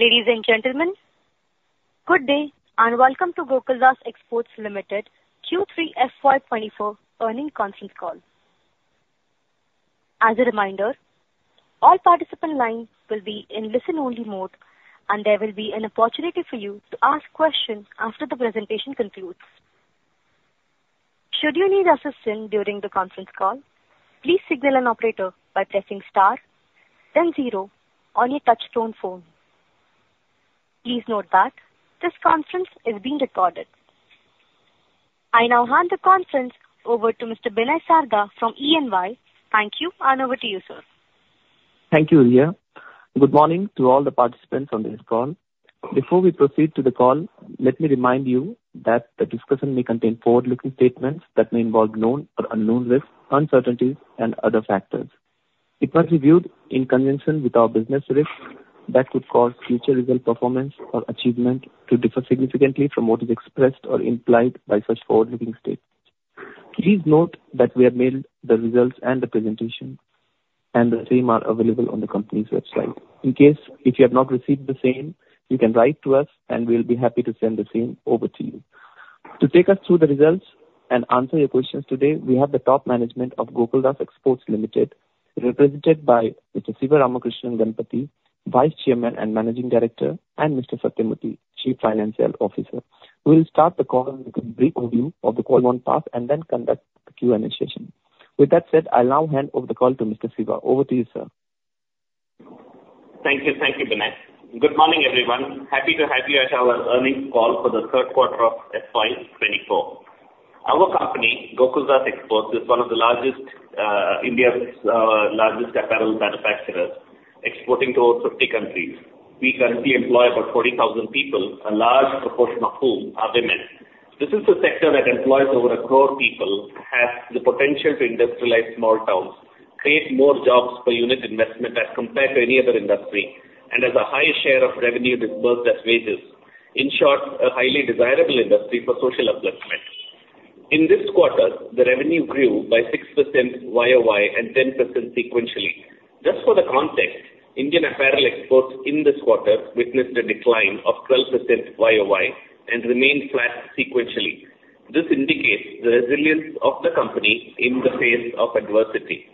Ladies and gentlemen, good day, and welcome to Gokaldas Exports Limited Q3 FY 2024 earnings conference call. As a reminder, all participant line will be in listen-only mode and there will be an opportunity for you to ask questions after the presentation concludes. Should you need assistance during the conference call, please signal an operator by pressing * then 0 on your touch-tone phone. Please note that this conference is being recorded. I now hand the conference over to Mr. Benay Sarda from E&Y. Thank you and over to you, sir. Thank you, Riya. Good morning to all the participants on this call. Before we proceed to the call, let me remind you that the discussion may contain forward-looking statements that may involve known or unknown risks, uncertainties, and other factors. It must be viewed in conjunction with our business risks that could cause future result performance or achievement to differ significantly from what is expressed or implied by such forward-looking statements. Please note that we have mailed the results and the presentation, and the same are available on the company's website. In case you have not received the same, you can write to us and we'll be happy to send the same over to you. To take us through the results and answer your questions today, we have the top management of Gokaldas Exports Limited, represented by Mr. Sivaramakrishnan Ganapathi, Vice Chairman and Managing Director, and Mr. Sathyamurthy, Chief Financial Officer. We'll start the call with a brief overview of the performance and then conduct the Q&A session. With that said, I'll now hand over the call to Mr. Sivaramakrishnan. Over to you, sir. Thank you. Thank you, Benay. Good morning, everyone. Happy to have you at our earnings call for the third quarter of FY2024. Our company, Gokaldas Exports, is one of India's largest apparel manufacturers, exporting to over 50 countries. We currently employ about 40,000 people, a large proportion of whom are women. This is a sector that employs over a crore people, has the potential to industrialize small towns, create more jobs per unit investment as compared to any other industry, and has a high share of revenue disbursed as wages. In short, a highly desirable industry for social employment. In this quarter, the revenue grew by 6% YOY and 10% sequentially. Just for the context, Indian apparel exports in this quarter witnessed a decline of 12% YOY and remained flat sequentially. This indicates the resilience of the company in the face of adversity.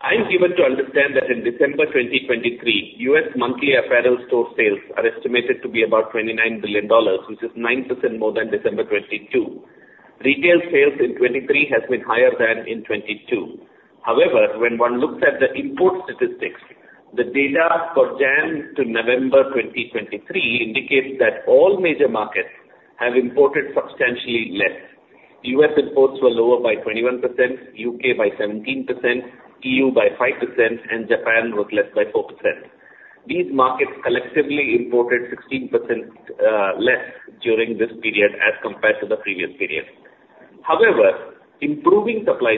I'm given to understand that in December 2023, U.S. monthly apparel store sales are estimated to be about $29 billion, which is 9% more than December 2022. Retail sales in 2023 have been higher than in 2022. However, when one looks at the import statistics, the data for January to November 2023 indicates that all major markets have imported substantially less. U.S. imports were lower by 21%, U.K. by 17%, E.U. by 5%, and Japan was less by 4%. These markets collectively imported 16% less during this period as compared to the previous period. However, improving supply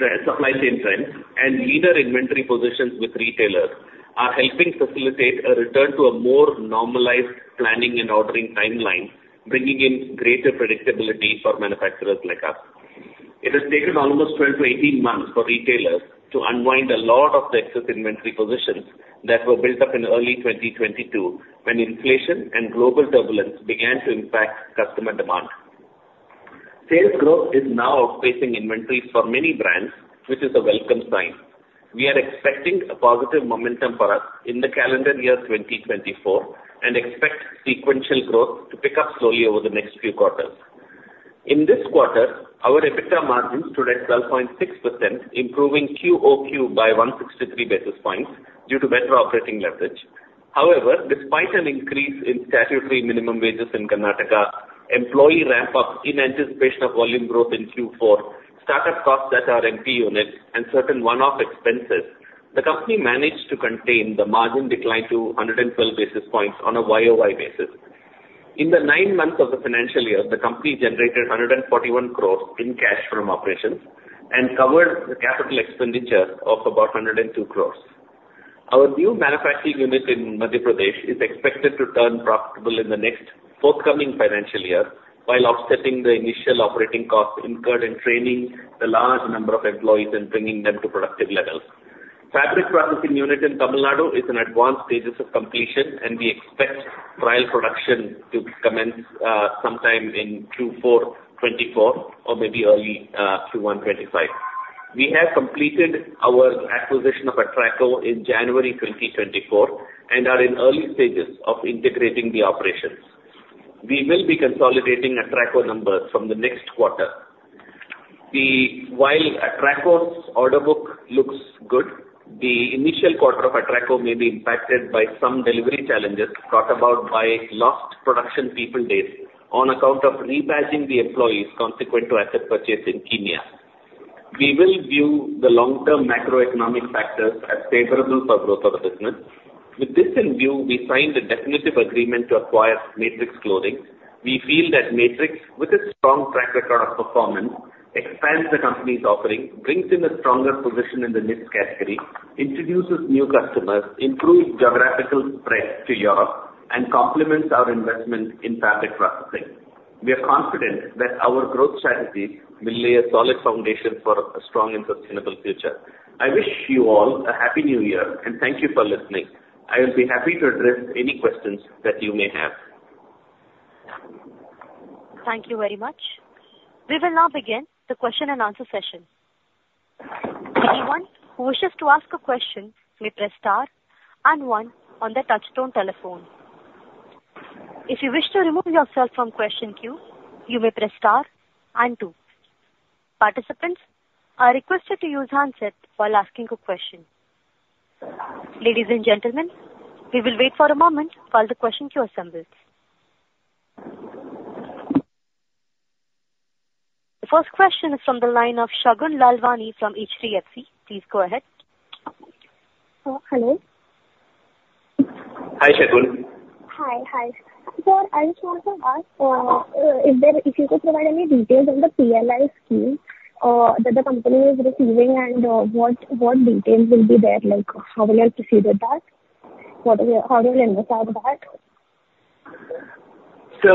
chain trends and leader inventory positions with retailers are helping facilitate a return to a more normalized planning and ordering timeline, bringing in greater predictability for manufacturers like us. It has taken almost 12-18 months for retailers to unwind a lot of the excess inventory positions that were built up in early 2022 when inflation and global turbulence began to impact customer demand. Sales growth is now outpacing inventories for many brands, which is a welcome sign. We are expecting a positive momentum for us in the calendar year 2024 and expect sequential growth to pick up slowly over the next few quarters. In this quarter, our EBITDA margins today are 12.6%, improving QOQ by 163 basis points due to better operating leverage. However, despite an increase in statutory minimum wages in Karnataka, employee ramp-ups in anticipation of volume growth in Q4, startup costs at our MP unit, and certain one-off expenses, the company managed to contain the margin decline to 112 basis points on a YOY basis. In the nine months of the financial year, the company generated 141 crores in cash from operations and covered the capital expenditure of about 102 crores. Our new manufacturing unit in Madhya Pradesh is expected to turn profitable in the next forthcoming financial year while offsetting the initial operating costs incurred in training the large number of employees and bringing them to productive levels. Fabric processing unit in Tamil Nadu is in advanced stages of completion, and we expect trial production to commence sometime in Q4 2024 or maybe early Q1 2025. We have completed our acquisition of Atraco in January 2024 and are in early stages of integrating the operations. We will be consolidating Atraco numbers from the next quarter. While Atraco's order book looks good, the initial quarter of Atraco may be impacted by some delivery challenges brought about by lost production people days on account of rebadging the employees consequent to asset purchase in Kenya. We will view the long-term macroeconomic factors as favorable for growth of the business. With this in view, we signed a definitive agreement to acquire Matrix Clothing. We feel that Matrix, with a strong track record of performance, expands the company's offering, brings in a stronger position in the niche category, introduces new customers, improves geographical spread to Europe, and complements our investment in fabric processing. We are confident that our growth strategy will lay a solid foundation for a strong and sustainable future. I wish you all a Happy New Year, and thank you for listening. I will be happy to address any questions that you may have. Thank you very much. We will now begin the question and answer session. Anyone who wishes to ask a question may press * and one on the touch-tone telephone. If you wish to remove yourself from question queue, you may press * and two. Participants are requested to use handset while asking a question. Ladies and gentlemen, we will wait for a moment while the question queue assembles. The first question is from the line of Shagun Lalwani from HDFC Securities. Please go ahead. Hello. Hi, Shagun. Hi. Hi. Sir, I just wanted to ask if you could provide any details on the PLI scheme that the company is receiving and what details will be there, like how will you proceed with that? How do you investigate that? So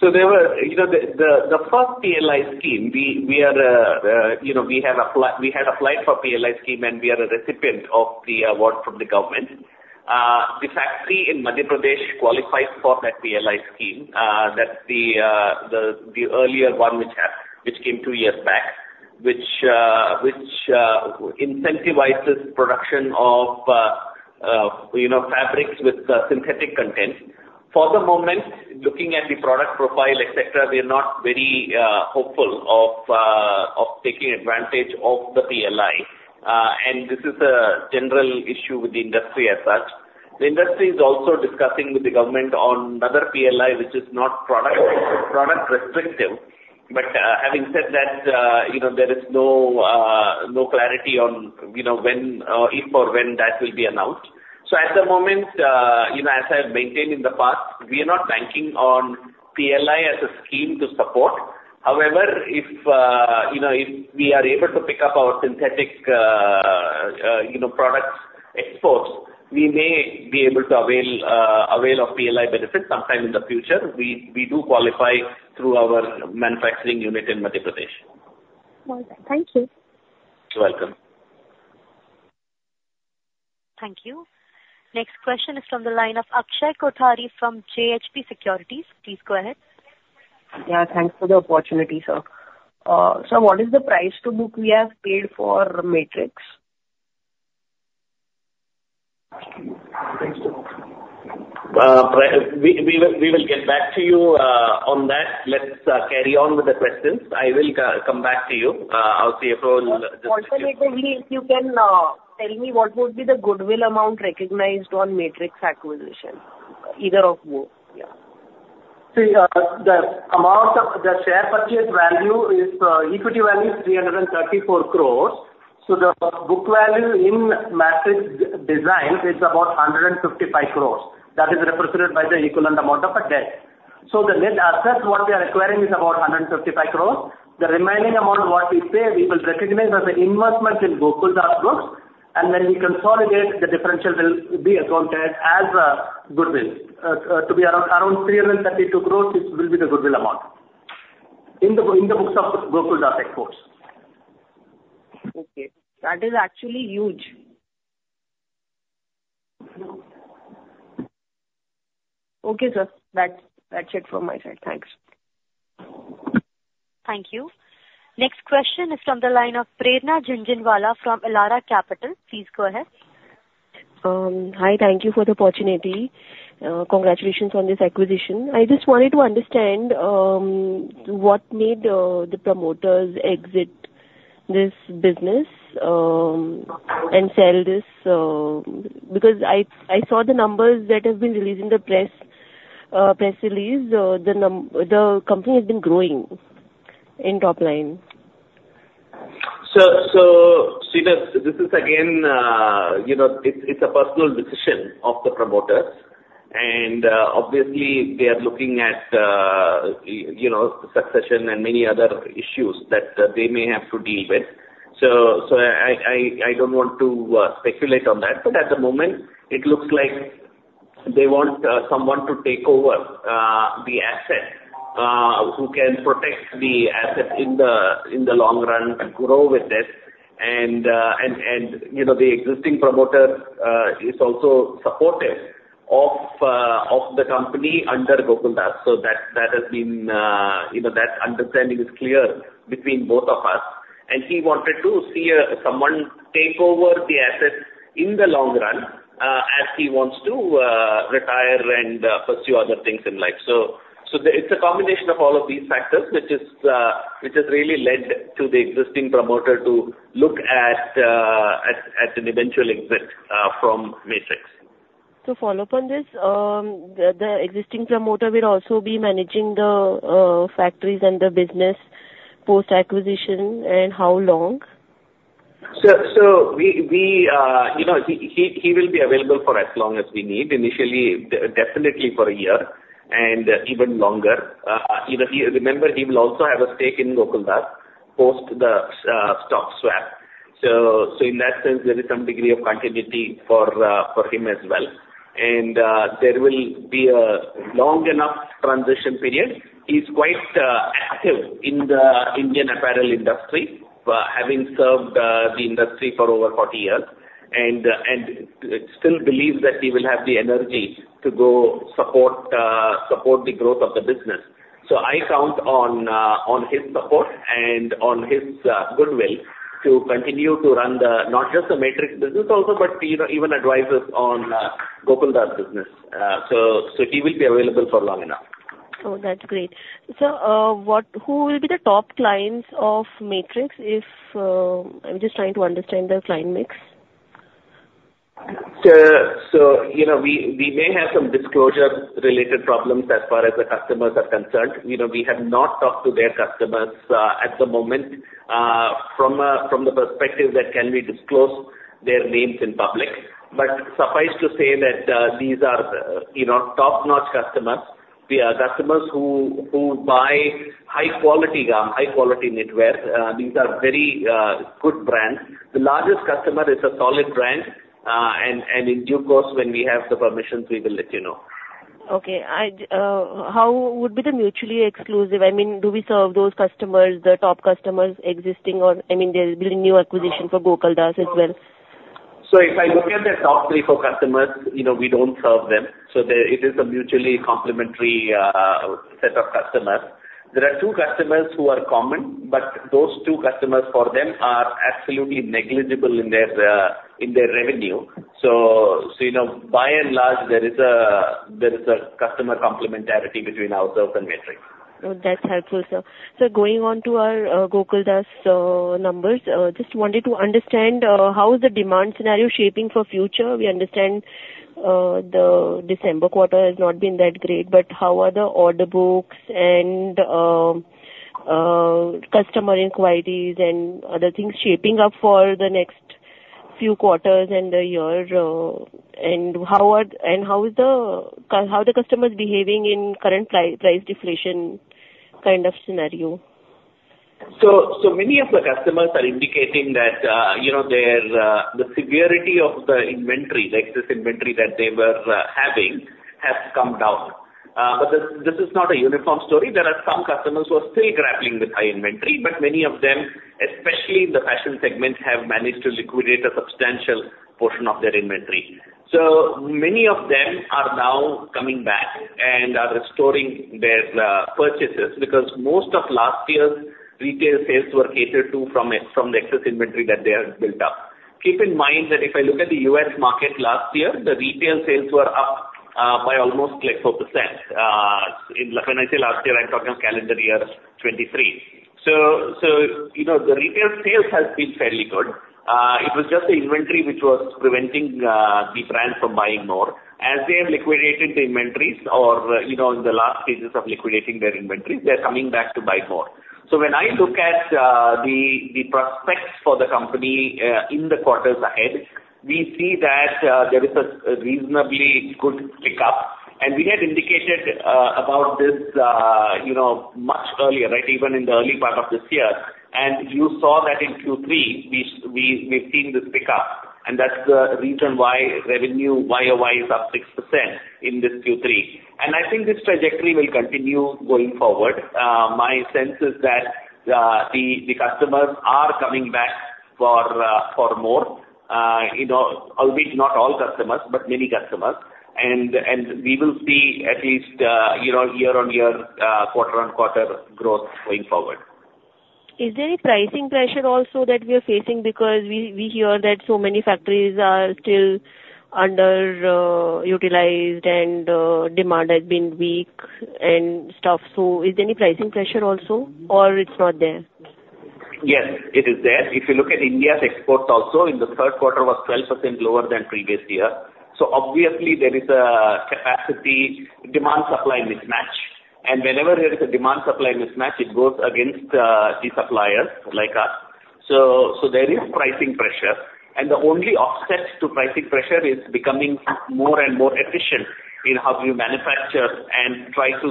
the first PLI scheme, we had applied for PLI scheme, and we are a recipient of the award from the government. The factory in Madhya Pradesh qualifies for that PLI scheme, that's the earlier one which came two years back, which incentivizes production of fabrics with synthetic content. For the moment, looking at the product profile, etc., we are not very hopeful of taking advantage of the PLI, and this is a general issue with the industry as such. The industry is also discussing with the government on another PLI which is not product-restrictive, but having said that, there is no clarity on if or when that will be announced. So at the moment, as I have maintained in the past, we are not banking on PLI as a scheme to support. However, if we are able to pick up our synthetic products exports, we may be able to avail of PLI benefits sometime in the future. We do qualify through our manufacturing unit in Madhya Pradesh. All right. Thank you. You're welcome. Thank you. Next question is from the line of Akshay Kothari from JHP Securities. Please go ahead. Yeah. Thanks for the opportunity, sir. Sir, what is the price to book we have paid for Matrix? We will get back to you on that. Let's carry on with the questions. I will come back to you. I'll see if we'll just. Also, if you can tell me what would be the goodwill amount recognized on Matrix acquisition, either of both? Yeah. See, the share purchase value is equity value is 334 crore. So the book value in Matrix Design is about 155 crore. That is represented by the equivalent amount of a debt. So the net assets what we are acquiring is about 155 crore. The remaining amount what we pay we will recognize as an investment in Gokaldas books, and then we consolidate the differential will be accounted as goodwill. To be around 332 crore, this will be the goodwill amount in the books of Gokaldas Exports. Okay. That is actually huge. Okay, sir. That's it from my side. Thanks. Thank you. Next question is from the line of Prerna Jhunjhunwala from Elara Capital. Please go ahead. Hi. Thank you for the opportunity. Congratulations on this acquisition. I just wanted to understand what made the promoters exit this business and sell this because I saw the numbers that have been released in the press release. The company has been growing in top line. So see, this is again, it's a personal decision of the promoters. And obviously, they are looking at succession and many other issues that they may have to deal with. So I don't want to speculate on that. But at the moment, it looks like they want someone to take over the asset who can protect the asset in the long run, grow with this. And the existing promoter is also supportive of the company under Gokaldas. So that has been that understanding is clear between both of us. And he wanted to see someone take over the assets in the long run as he wants to retire and pursue other things in life. So it's a combination of all of these factors which has really led to the existing promoter to look at an eventual exit from Matrix. To follow up on this, the existing promoter will also be managing the factories and the business post-acquisition, and how long? So he will be available for as long as we need, initially, definitely for a year and even longer. Remember, he will also have a stake in Gokaldas post the stock swap. So in that sense, there is some degree of continuity for him as well. And there will be a long enough transition period. He's quite active in the Indian apparel industry, having served the industry for over 40 years, and still believes that he will have the energy to go support the growth of the business. So I count on his support and on his goodwill to continue to run not just the Matrix business also, but even advise us on Gokaldas business. So he will be available for long enough. Oh, that's great. So who will be the top clients of Matrix if I'm just trying to understand the client mix? We may have some disclosure-related problems as far as the customers are concerned. We have not talked to their customers at the moment from the perspective that can we disclose their names in public. But suffice to say that these are top-notch customers. They are customers who buy high-quality garments, high-quality knitwear. These are very good brands. The largest customer is a solid brand. In due course, when we have the permissions, we will let you know. Okay. How would be the mutually exclusive? I mean, do we serve those customers, the top customers, existing or I mean, there's been a new acquisition for Gokaldas as well? If I look at the top 3-4 customers, we don't serve them. It is a mutually complementary set of customers. There are two customers who are common, but those two customers, for them, are absolutely negligible in their revenue. By and large, there is a customer complementarity between ourselves and Matrix. Oh, that's helpful, sir. So going on to our Gokaldas numbers, just wanted to understand how is the demand scenario shaping for future? We understand the December quarter has not been that great, but how are the order books and customer inquiries and other things shaping up for the next few quarters and the year? And how are the customers behaving in current price deflation kind of scenario? So many of the customers are indicating that the severity of the inventory, the excess inventory that they were having, has come down. But this is not a uniform story. There are some customers who are still grappling with high inventory, but many of them, especially in the fashion segment, have managed to liquidate a substantial portion of their inventory. So many of them are now coming back and are restoring their purchases because most of last year's retail sales were catered to from the excess inventory that they had built up. Keep in mind that if I look at the US market last year, the retail sales were up by almost 4%. When I say last year, I'm talking of calendar year 2023. So the retail sales have been fairly good. It was just the inventory which was preventing the brand from buying more. As they have liquidated the inventories or in the last stages of liquidating their inventories, they're coming back to buy more. So when I look at the prospects for the company in the quarters ahead, we see that there is a reasonably good pickup. We had indicated about this much earlier, right, even in the early part of this year. You saw that in Q3, we've seen this pickup. That's the reason why revenue YOY is up 6% in this Q3. I think this trajectory will continue going forward. My sense is that the customers are coming back for more, albeit not all customers, but many customers. We will see at least year-on-year, quarter-on-quarter growth going forward. Is there any pricing pressure also that we are facing because we hear that so many factories are still underutilized and demand has been weak and stuff? So is there any pricing pressure also or it's not there? Yes, it is there. If you look at India's exports also, in the third quarter was 12% lower than previous year. So obviously, there is a demand-supply mismatch. And whenever there is a demand-supply mismatch, it goes against the suppliers like us. So there is pricing pressure. And the only offset to pricing pressure is becoming more and more efficient in how you manufacture and try to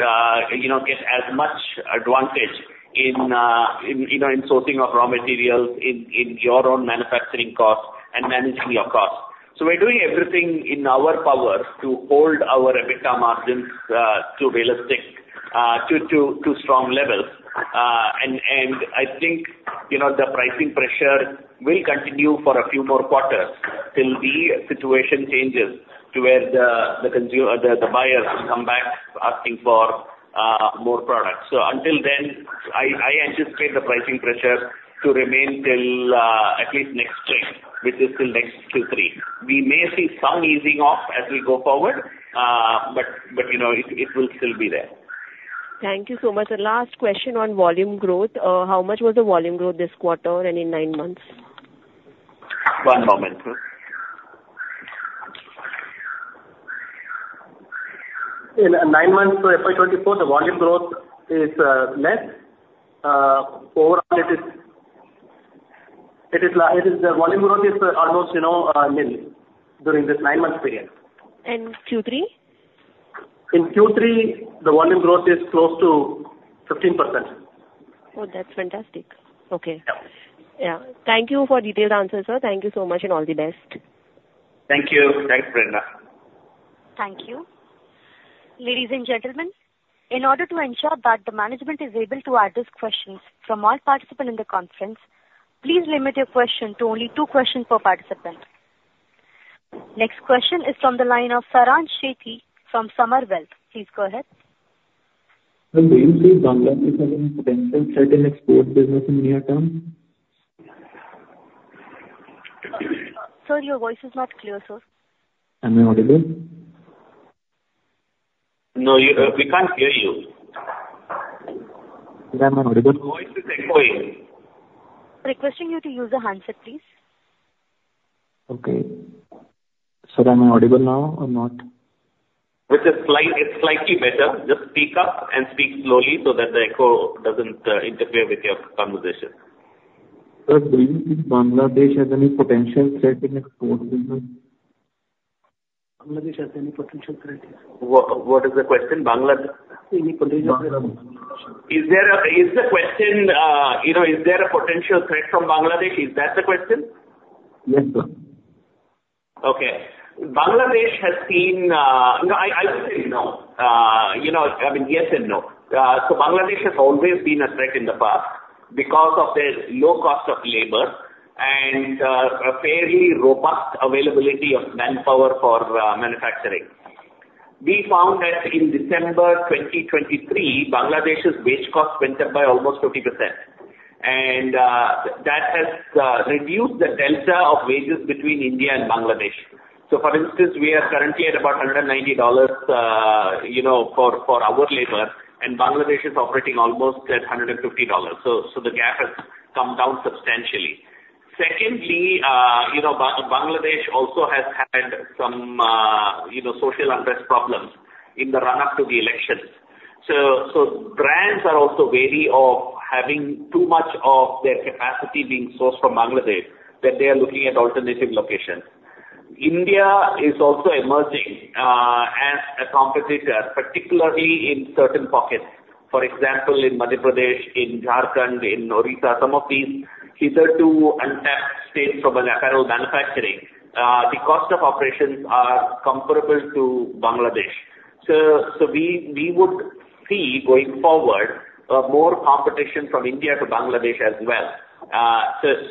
get as much advantage in sourcing of raw materials, in your own manufacturing costs, and managing your costs. So we're doing everything in our power to hold our EBITDA margins to realistic, to strong levels. And I think the pricing pressure will continue for a few more quarters till the situation changes to where the buyers will come back asking for more products. So until then, I anticipate the pricing pressure to remain till at least next spring, which is till next Q3. We may see some easing off as we go forward, but it will still be there. Thank you so much. Last question on volume growth. How much was the volume growth this quarter and in nine months? One moment, sir. In nine months to FY 2024, the volume growth is less. Overall, the volume growth is almost nil during this nine-month period. And Q3? In Q3, the volume growth is close to 15%. Oh, that's fantastic. Okay. Yeah. Thank you for detailed answers, sir. Thank you so much and all the best. Thank you. Thanks, Prerna. Thank you. Ladies and gentlemen, in order to ensure that the management is able to address questions from all participants in the conference, please limit your question to only two questions per participant. Next question is from the line of Sharan Shetty from Summer Wealth. Please go ahead. Sir, may you please download me some potential certain export business in near term? Sir, your voice is not clear, sir. Am I audible? No, we can't hear you. Sir, am I audible? Voice is echoing. Requesting you to use a handset, please. Okay. Sir, am I audible now or not? It's slightly better. Just speak up and speak slowly so that the echo doesn't interfere with your conversation. Sir, do you think Bangladesh has any potential threat in export business? Bangladesh has any potential threat, yes? What is the question? Bangladesh? Any potential threat from Bangladesh? Is the question, is there a potential threat from Bangladesh? Is that the question? Yes, sir. Okay. Bangladesh has seen no, I would say no. I mean, yes and no. So Bangladesh has always been a threat in the past because of their low cost of labor and fairly robust availability of manpower for manufacturing. We found that in December 2023, Bangladesh's wage cost went up by almost 50%. And that has reduced the delta of wages between India and Bangladesh. So for instance, we are currently at about $190 for our labor, and Bangladesh is operating almost at $150. So the gap has come down substantially. Secondly, Bangladesh also has had some social unrest problems in the run-up to the elections. So brands are also wary of having too much of their capacity being sourced from Bangladesh, that they are looking at alternative locations. India is also emerging as a competitor, particularly in certain pockets. For example, in Madhya Pradesh, in Jharkhand, in Orissa, some of these hitherto untapped states from apparel manufacturing, the cost of operations are comparable to Bangladesh. So we would see going forward more competition from India to Bangladesh as well.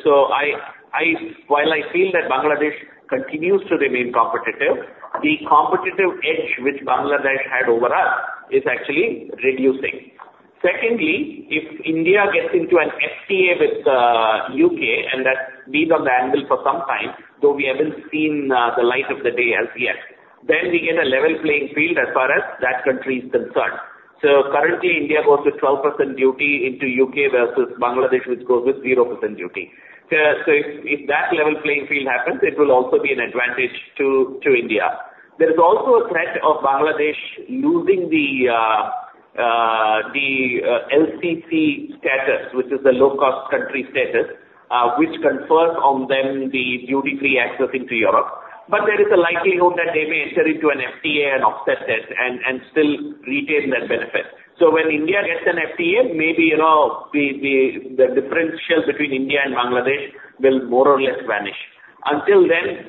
So while I feel that Bangladesh continues to remain competitive, the competitive edge which Bangladesh had over us is actually reducing. Secondly, if India gets into an FTA with the U.K. and that's been on the anvil for some time, though we haven't seen the light of the day as yet, then we get a level playing field as far as that country is concerned. So currently, India goes with 12% duty into U.K. versus Bangladesh, which goes with 0% duty. So if that level playing field happens, it will also be an advantage to India. There is also a threat of Bangladesh losing the LCC status, which is the low-cost country status, which confers on them the duty-free access into Europe. But there is a likelihood that they may enter into an FTA and offset that and still retain that benefit. So when India gets an FTA, maybe the differential between India and Bangladesh will more or less vanish. Until then,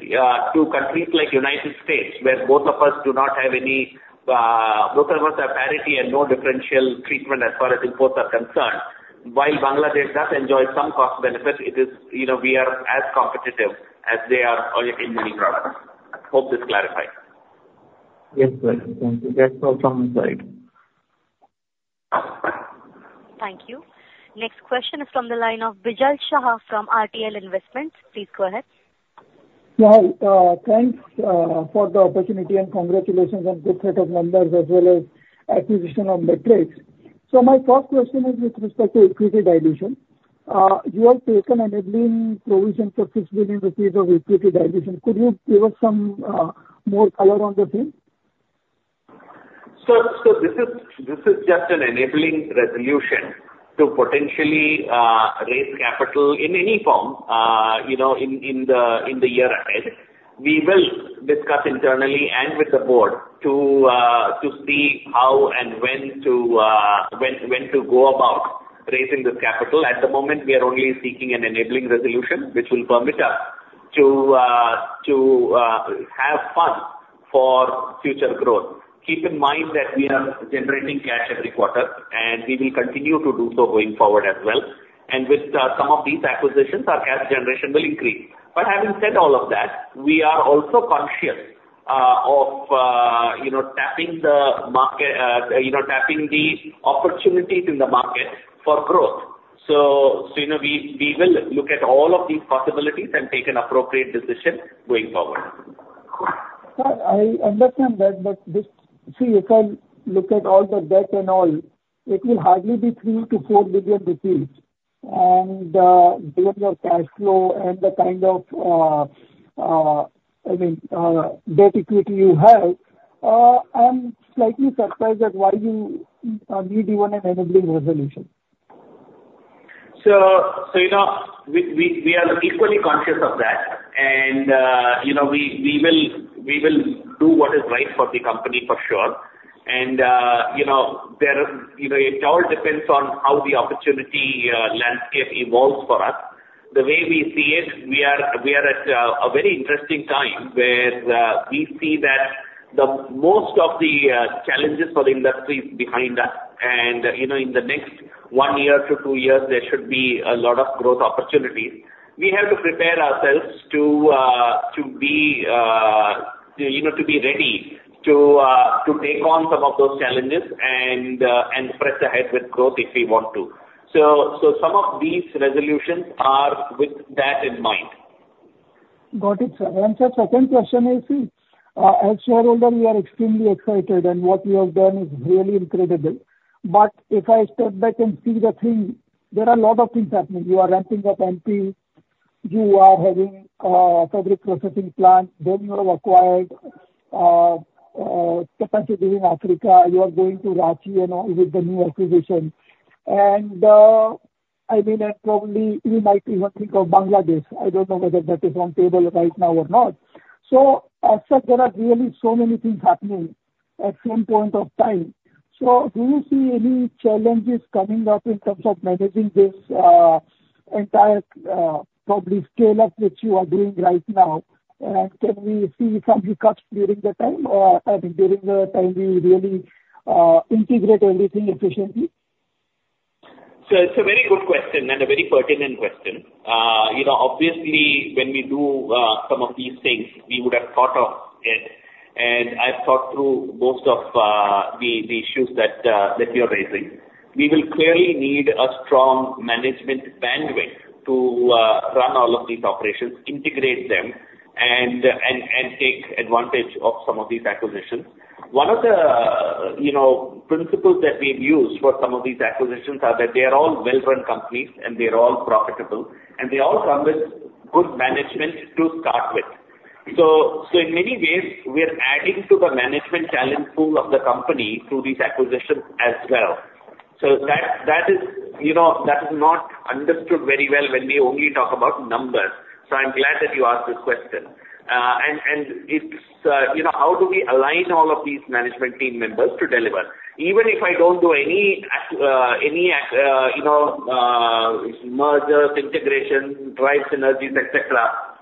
to countries like United States where both of us do not have any both of us have parity and no differential treatment as far as imports are concerned, while Bangladesh does enjoy some cost benefit, we are as competitive as they are in many products. Hope this clarifies. Yes, sir. Thank you. That's all from my side. Thank you. Next question is from the line of Bijal Shah from RTL Investments. Please go ahead. Yeah. Thanks for the opportunity and congratulations on good set of numbers as well as acquisition of Matrix. So my first question is with respect to equity dilution. You have taken an enabling provision for 6 billion rupees of equity dilution. Could you give us some more color on the thing? So this is just an enabling resolution to potentially raise capital in any form in the year ahead. We will discuss internally and with the board to see how and when to go about raising this capital. At the moment, we are only seeking an enabling resolution which will permit us to have funds for future growth. Keep in mind that we are generating cash every quarter, and we will continue to do so going forward as well. And with some of these acquisitions, our cash generation will increase. But having said all of that, we are also conscious of tapping the opportunities in the market for growth. So we will look at all of these possibilities and take an appropriate decision going forward. I understand that, but see, if I look at all the debt and all, it will hardly be INR 3 billion-INR 4 billion. And given your cash flow and the kind of, I mean, debt equity you have, I'm slightly surprised at why you need even an enabling resolution. We are equally conscious of that. We will do what is right for the company for sure. It all depends on how the opportunity landscape evolves for us. The way we see it, we are at a very interesting time where we see that most of the challenges for the industry is behind us. In the next one year to two years, there should be a lot of growth opportunities. We have to prepare ourselves to be ready to take on some of those challenges and press ahead with growth if we want to. Some of these resolutions are with that in mind. Got it, sir. Sir, second question is, see, as shareholder, we are extremely excited, and what we have done is really incredible. If I step back and see the thing, there are a lot of things happening. You are ramping up MP. You are having a fabric processing plant. You have acquired capacity in Africa. You are going to Ranchi and all with the new acquisition. I mean, probably we might even think of Bangladesh. I don't know whether that is on table right now or not. As such, there are really so many things happening at the same point of time. Do you see any challenges coming up in terms of managing this entire, probably, scale-up which you are doing right now? Can we see some hiccups during the time I mean, during the time we really integrate everything efficiently? So it's a very good question and a very pertinent question. Obviously, when we do some of these things, we would have thought of it. And I've thought through most of the issues that you're raising. We will clearly need a strong management bandwidth to run all of these operations, integrate them, and take advantage of some of these acquisitions. One of the principles that we've used for some of these acquisitions are that they are all well-run companies, and they are all profitable, and they all come with good management to start with. So in many ways, we are adding to the management challenge pool of the company through these acquisitions as well. So that is not understood very well when we only talk about numbers. So I'm glad that you asked this question. And how do we align all of these management team members to deliver? Even if I don't do any mergers, integrations, drive synergies, etc.,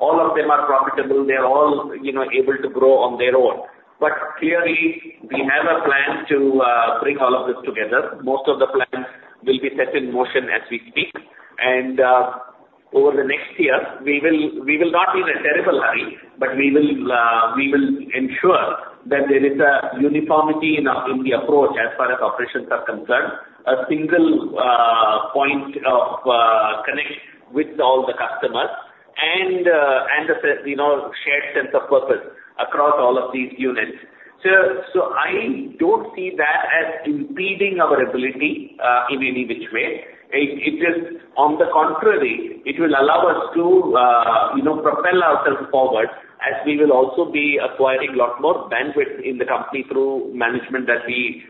all of them are profitable. They are all able to grow on their own. But clearly, we have a plan to bring all of this together. Most of the plans will be set in motion as we speak. And over the next year, we will not be in a terrible hurry, but we will ensure that there is a uniformity in the approach as far as operations are concerned, a single point of connect with all the customers, and a shared sense of purpose across all of these units. So I don't see that as impeding our ability in any which way. On the contrary, it will allow us to propel ourselves forward as we will also be acquiring a lot more bandwidth in the company through management that we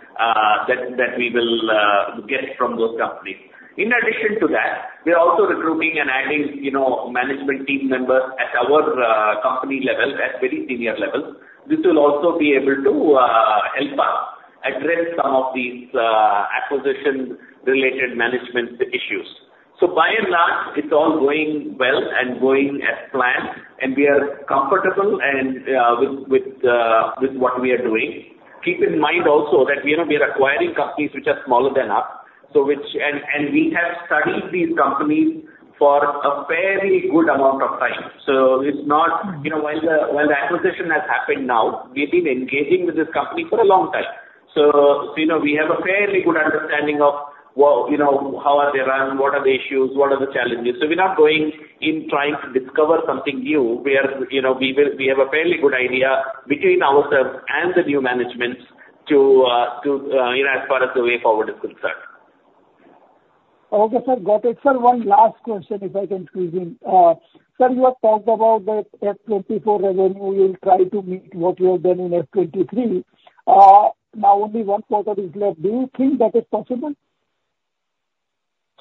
will get from those companies. In addition to that, we're also recruiting and adding management team members at our company level, at very senior levels. This will also be able to help us address some of these acquisition-related management issues. So by and large, it's all going well and going as planned, and we are comfortable with what we are doing. Keep in mind also that we are acquiring companies which are smaller than us, and we have studied these companies for a fairly good amount of time. So while the acquisition has happened now, we've been engaging with this company for a long time. So we have a fairly good understanding of how are they run, what are the issues, what are the challenges. So we're not going in trying to discover something new where we have a fairly good idea between ourselves and the new management as far as the way forward is concerned. Okay, sir. Got it. Sir, one last question if I can squeeze in. Sir, you have talked about that F24 revenue. You'll try to meet what you have done in F23. Now, only one quarter is left. Do you think that is possible?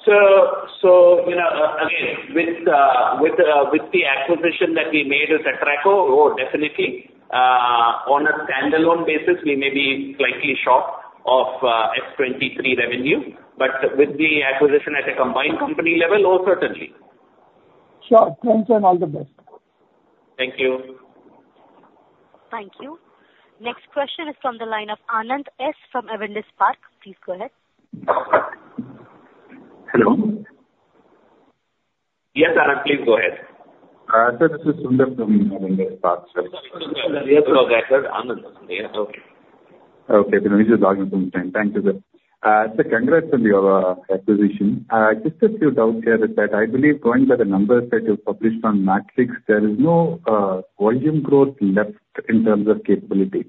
So again, with the acquisition that we made with Atraco, oh, definitely. On a standalone basis, we may be slightly short of F23 revenue. But with the acquisition at a combined company level, oh, certainly. Sure. Thanks and all the best. Thank you. Thank you. Next question is from the line of Anand S. from Avendus Spark. Please go ahead. Hello? Yes, Anand, please go ahead. Sir, this is Sundar from Avendus Spark. Yes, Sundar. Yes, go ahead. Sir, Anand. Okay. Okay. Finally, she's logging from the same. Thank you, sir. Sir, congrats on your acquisition. Just a few doubts here is that I believe going by the numbers that you've published on Matrix, there is no volume growth left in terms of capability.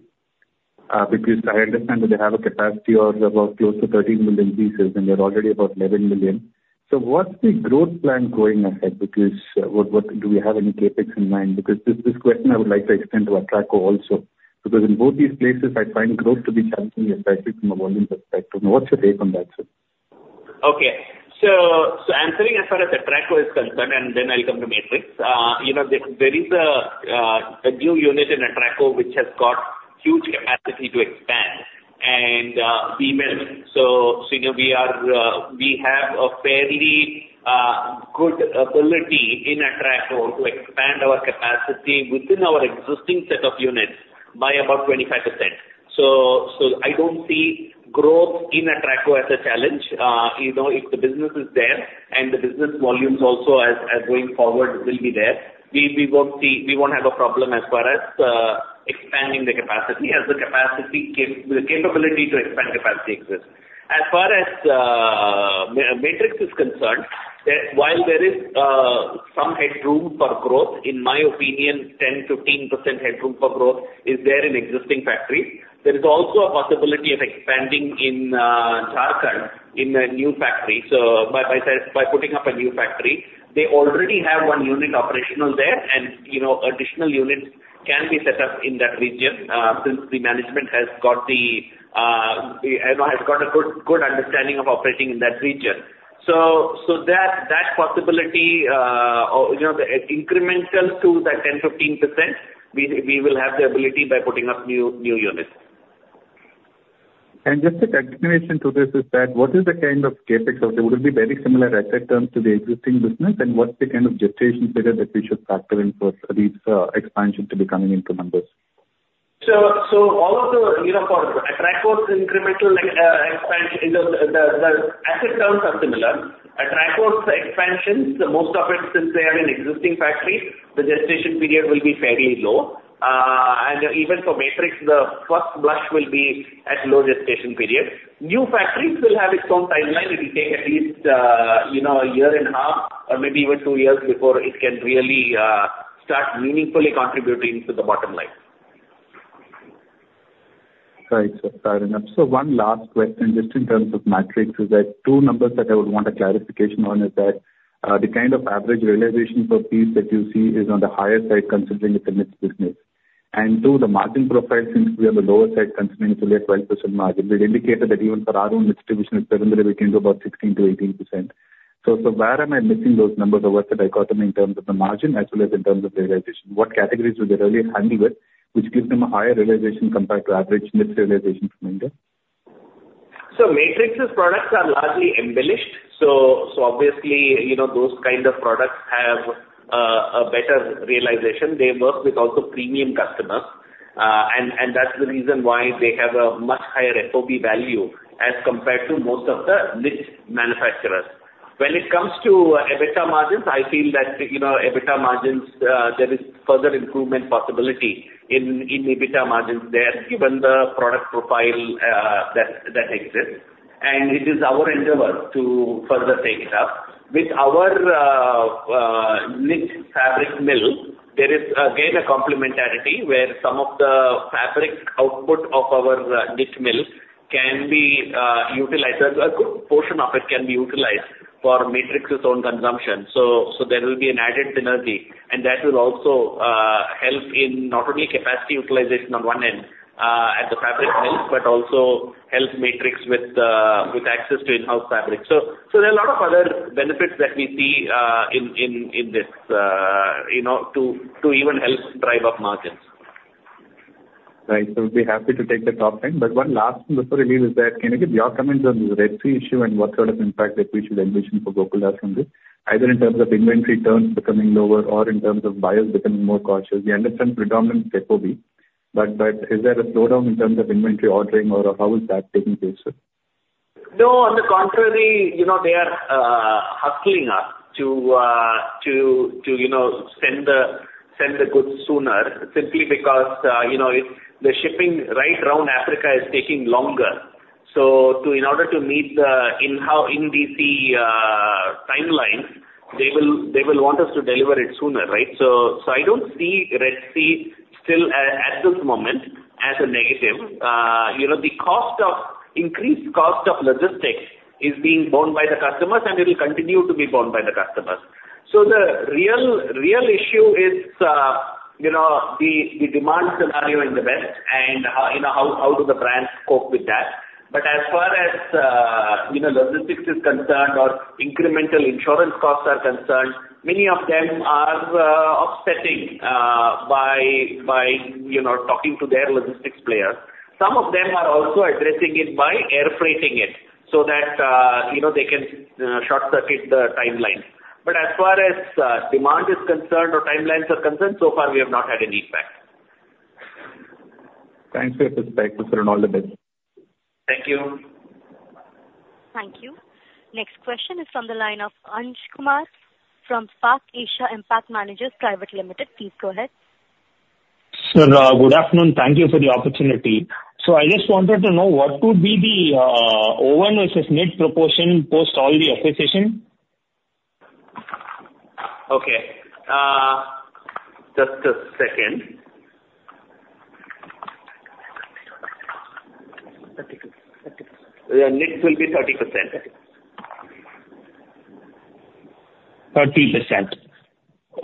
Because I understand that they have a capacity of about close to 13 million pieces, and they're already about 11 million. So what's the growth plan going ahead? Because do we have any CapEx in mind? Because this question, I would like to extend to Atraco also. Because in both these places, I find growth to be challenging, especially from a volume perspective. What's your take on that, sir? Okay. So answering as far as Atraco is concerned, and then I'll come to Matrix, there is a new unit in Atraco which has got huge capacity to expand. And we will. So we have a fairly good ability in Atraco to expand our capacity within our existing set of units by about 25%. So I don't see growth in Atraco as a challenge. If the business is there and the business volumes also going forward will be there, we won't have a problem as far as expanding the capacity as the capability to expand capacity exists. As far as Matrix is concerned, while there is some headroom for growth, in my opinion, 10%-15% headroom for growth is there in existing factories. There is also a possibility of expanding in Jharkhand in a new factory. So by putting up a new factory, they already have one unit operational there, and additional units can be set up in that region since the management has got a good understanding of operating in that region. So that possibility, incremental to that 10%-15%, we will have the ability by putting up new units. Just a continuation to this is that what is the kind of CapEx? Would it be very similar asset terms to the existing business, and what's the kind of gestation period that we should factor in for this expansion to be coming into numbers? So all of the for Atraco's incremental expansion, the asset terms are similar. Atraco's expansions, most of it since they are in existing factories, the gestation period will be fairly low. And even for Matrix, the first blush will be at low gestation period. New factories will have its own timeline. It will take at least a year and a half or maybe even two years before it can really start meaningfully contributing to the bottom line. Right, sir. Fair enough. So one last question just in terms of Matrix is that two numbers that I would want a clarification on is that the kind of average realization per piece that you see is on the higher side considering it's a mixed business. And two, the margin profile since we are on the lower side considering it's only a 12% margin, we've indicated that even for our own distribution, it's around there between about 16%-18%. So where am I missing those numbers or what's the dichotomy in terms of the margin as well as in terms of realization? What categories do they really handle with which gives them a higher realization compared to average mixed realization from India? So Matrix's products are largely embellished. So obviously, those kind of products have a better realization. They work with also premium customers. And that's the reason why they have a much higher FOB value as compared to most of the knit manufacturers. When it comes to EBITDA margins, I feel that EBITDA margins, there is further improvement possibility in EBITDA margins there given the product profile that exists. And it is our endeavor to further take it up. With our knit fabric mill, there is, again, a complementarity where some of the fabric output of our knit mill can be utilized. A good portion of it can be utilized for Matrix's own consumption. So there will be an added synergy. And that will also help in not only capacity utilization on one end at the fabric mill but also help Matrix with access to in-house fabric. There are a lot of other benefits that we see in this to even help drive up margins. Right. So we'll be happy to take the top end. But one last thing before we leave is that can I get your comments on the Red Sea issue and what sort of impact that we should envision for Gokaldas from this, either in terms of inventory terms becoming lower or in terms of buyers becoming more cautious? We understand predominant FOB. But is there a slowdown in terms of inventory ordering or how is that taking place? No, on the contrary, they are hustling us to send the goods sooner simply because the shipping right around Africa is taking longer. So in order to meet the in-DC timelines, they will want us to deliver it sooner, right? So I don't see Red Sea still at this moment as a negative. The increased cost of logistics is being borne by the customers, and it will continue to be borne by the customers. So the real issue is the demand scenario in the West and how do the brands cope with that. But as far as logistics is concerned or incremental insurance costs are concerned, many of them are offsetting by talking to their logistics players. Some of them are also addressing it by air freighting it so that they can short-circuit the timeline. But as far as demand is concerned or timelines are concerned, so far, we have not had any impact. Thanks for your perspective, sir, and all the best. Thank you. Thank you. Next question is from the line of Ansh Kumar from Spark Asia Impact Managers Private Limited. Please go ahead. Sir, good afternoon. Thank you for the opportunity. I just wanted to know, what would be the ON versus NET proportion post all the acquisitions? Okay. Just a second. NET will be 30%. 30%.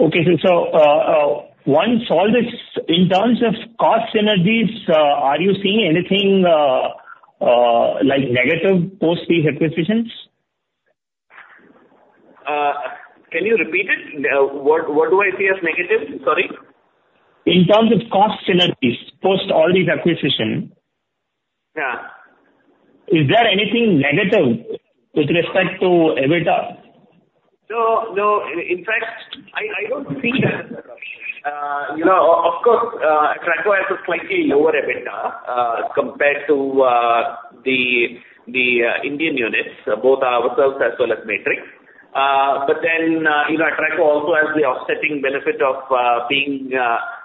Okay, sir. So once all this, in terms of cost synergies, are you seeing anything negative post these acquisitions? Can you repeat it? What do I see as negative? Sorry. In terms of cost synergies post all these acquisitions, is there anything negative with respect to EBITDA? No, no. In fact, I don't see that as a problem. Of course, Atraco has a slightly lower EBITDA compared to the Indian units, both ourselves as well as Matrix. But then Atraco also has the offsetting benefit of being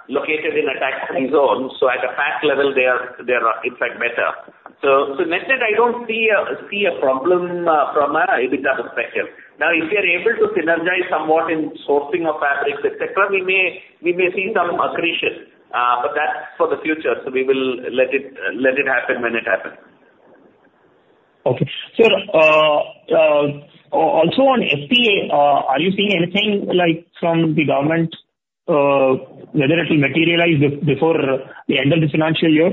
located in Africa. So in fact, they are, in fact, better. So net-net, I don't see a problem from an EBITDA perspective. Now, if we are able to synergize somewhat in sourcing of fabrics, etc., we may see some accretion. But that's for the future. So we will let it happen when it happens. Okay. Sir, also on FTA, are you seeing anything from the government, whether it will materialize before the end of the financial year?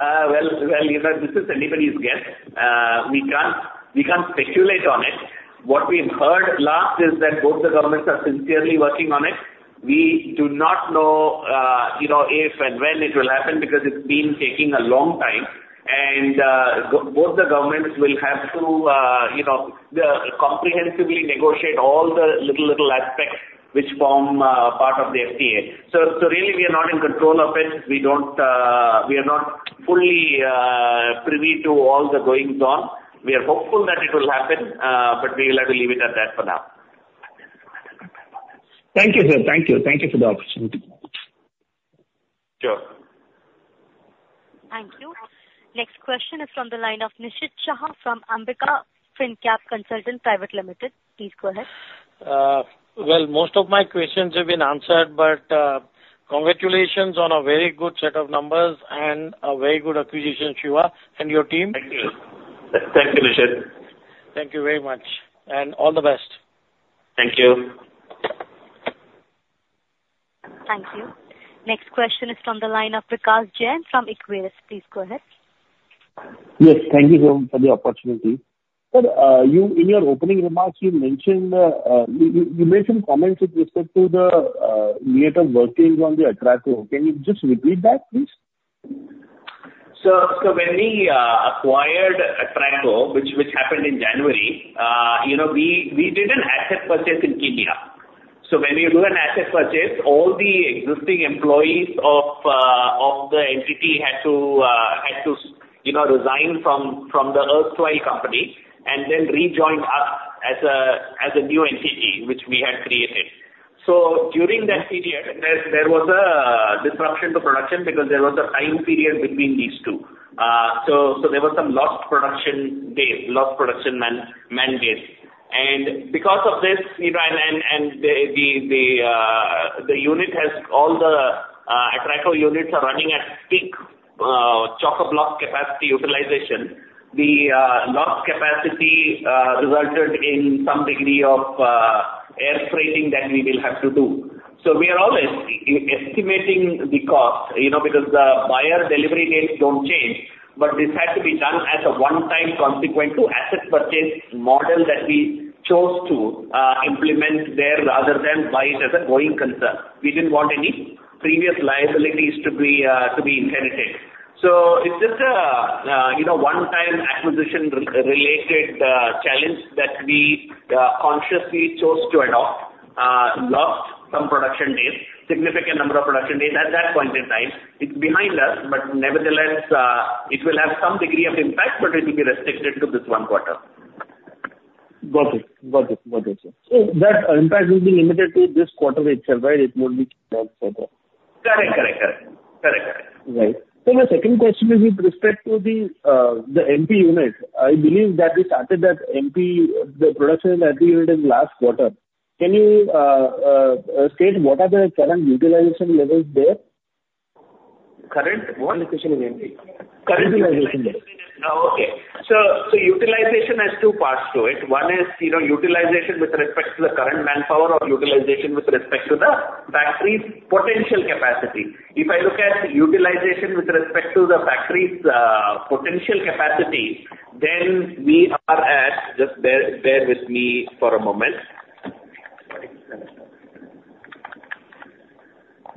Well, this is anybody's guess. We can't speculate on it. What we've heard last is that both the governments are sincerely working on it. We do not know if and when it will happen because it's been taking a long time. And both the governments will have to comprehensively negotiate all the little, little aspects which form part of the FTA. So really, we are not in control of it. We are not fully privy to all the goings-on. We are hopeful that it will happen, but we will have to leave it at that for now. Thank you, sir. Thank you. Thank you for the opportunity. Sure. Thank you. Next question is from the line of Nishid Shah from Ambika Fincap Consultants Private Limited. Please go ahead. Well, most of my questions have been answered, but congratulations on a very good set of numbers and a very good acquisition, Shiva, and your team. Thank you. Thank you, Nishid. Thank you very much. All the best. Thank you. Thank you. Next question is from the line of Prakash Jain from Equirus. Please go ahead. Yes. Thank you, sir, for the opportunity. Sir, in your opening remarks, you mentioned comments with respect to the way it is working on the Atraco. Can you just repeat that, please? Sir, when we acquired Atraco, which happened in January, we did an asset purchase in Kenya. So when you do an asset purchase, all the existing employees of the entity had to resign from the Atraco company and then rejoin us as a new entity, which we had created. So during that period, there was a disruption to production because there was a time period between these two. So there were some lost production days, lost production man-days. And because of this, and the unit has all the Atraco units are running at peak chockablock capacity utilization, the lost capacity resulted in some degree of air freighting that we will have to do. So we are always estimating the cost because the buyer delivery dates don't change. But this had to be done as a one-time consequent to asset purchase model that we chose to implement there rather than buy it as a going concern. We didn't want any previous liabilities to be inherited. So it's just a one-time acquisition-related challenge that we consciously chose to adopt, lost some production days, significant number of production days at that point in time. It's behind us, but nevertheless, it will have some degree of impact, but it will be restricted to this one quarter. Got it. Got it. Got it, sir. So that impact will be limited to this quarter itself, right? It won't be expanded further. Correct. Correct. Correct. Correct. Right. So my second question is with respect to the MP unit. I believe that we started that MP, the production at the unit in last quarter. Can you state what are the current utilization levels there? Current what? Utilization is MP. Current utilization is. Okay. Utilization has two parts to it. One is utilization with respect to the current manpower or utilization with respect to the factory's potential capacity. If I look at utilization with respect to the factory's potential capacity, then we are at just bear with me for a moment.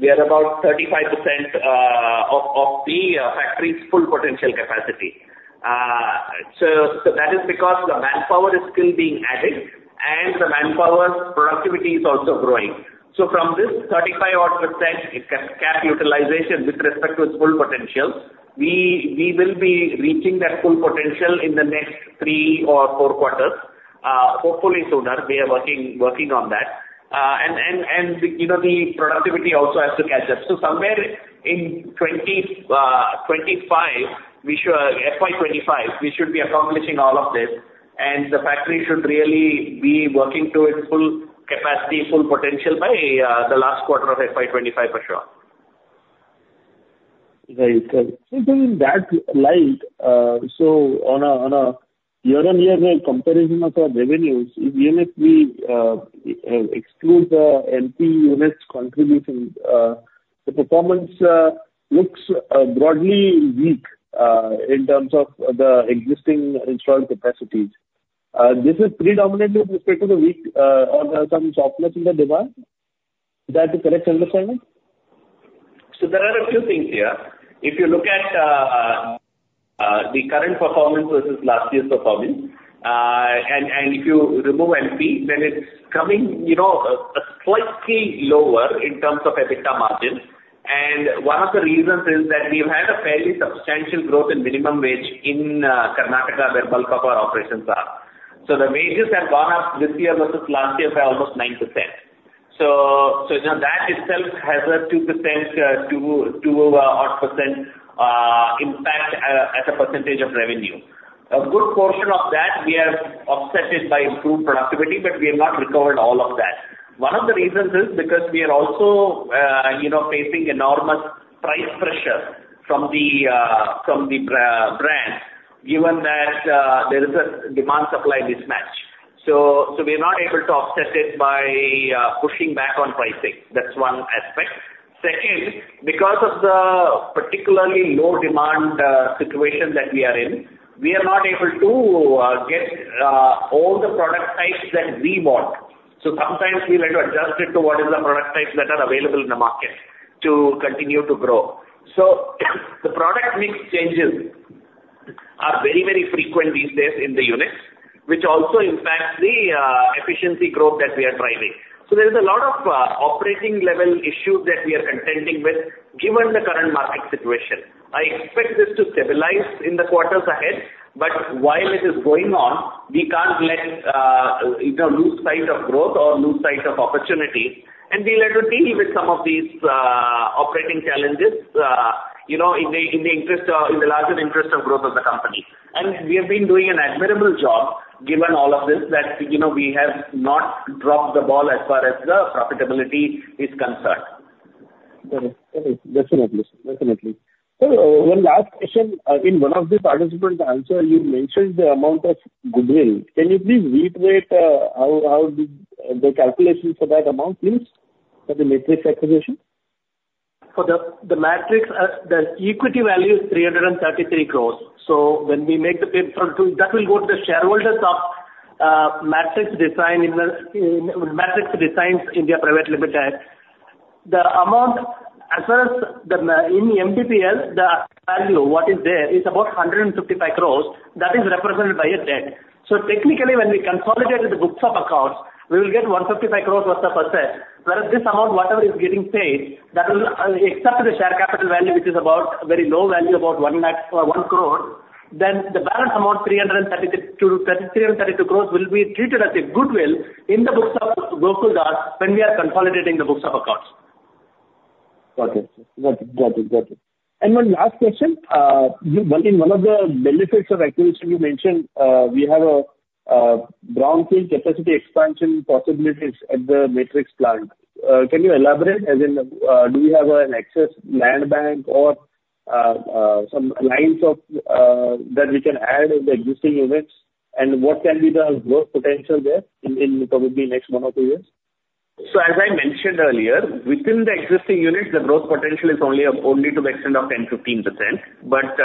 We are about 35% of the factory's full potential capacity. That is because the manpower is still being added, and the manpower productivity is also growing. From this 35-odd% cap utilization with respect to its full potential, we will be reaching that full potential in the next three or four quarters. Hopefully, sooner. We are working on that. The productivity also has to catch up. Somewhere in 2025, FY 2025, we should be accomplishing all of this. The factory should really be working to its full capacity, full potential by the last quarter of FY 2025 for sure. Right. In that light, so on a year-on-year comparison of our revenues, even if we exclude the MP unit's contribution, the performance looks broadly weak in terms of the existing installed capacities. This is predominantly with respect to the weak or some softness in the demand. Is that the correct understanding? There are a few things here. If you look at the current performance versus last year's performance, and if you remove MP, then it's coming slightly lower in terms of EBITDA margin. One of the reasons is that we've had a fairly substantial growth in minimum wage in Karnataka, where bulk of our operations are. The wages have gone up this year versus last year by almost 9%. That itself has a 2%, 2-odd% impact as a percentage of revenue. A good portion of that, we are offset by improved productivity, but we have not recovered all of that. One of the reasons is because we are also facing enormous price pressure from the brands given that there is a demand-supply mismatch. We are not able to offset it by pushing back on pricing. That's one aspect. Second, because of the particularly low demand situation that we are in, we are not able to get all the product types that we want. So sometimes, we'll have to adjust it to what is the product types that are available in the market to continue to grow. So the product mix changes are very, very frequent these days in the units, which also impacts the efficiency growth that we are driving. So there is a lot of operating-level issues that we are contending with given the current market situation. I expect this to stabilize in the quarters ahead. But while it is going on, we can't lose sight of growth or lose sight of opportunity. And we'll have to deal with some of these operating challenges in the interest of in the larger interest of growth of the company. We have been doing an admirable job given all of this that we have not dropped the ball as far as the profitability is concerned. Got it. Got it. Definitely. Definitely. Sir, one last question. In one of the participants' answer, you mentioned the amount of goodwill. Can you please reiterate the calculation for that amount, please, for the Matrix acquisition? For the Matrix, the equity value is 333 crore. So when we make the payment, that will go to the shareholders of Matrix Design in the Matrix Design & Industries Private Limited. The amount, as far as in MDPL, the value what is there is about 155 crore. That is represented by a debt. So technically, when we consolidate the books of accounts, we will get 155 crore worth of assets. Whereas this amount, whatever is getting paid, that will except the share capital value, which is about very low value, about 1 crore, then the balance amount, 332 crore, will be treated as goodwill in the books of Gokaldas when we are consolidating the books of accounts. Got it, sir. Got it. Got it. Got it. And one last question. In one of the benefits of acquisition, you mentioned we have a brownfield capacity expansion possibilities at the Matrix plant. Can you elaborate? As in, do we have an excess land bank or some lines that we can add in the existing units? And what can be the growth potential there in probably the next one or two years? So as I mentioned earlier, within the existing units, the growth potential is only to the extent of 10%-15%. But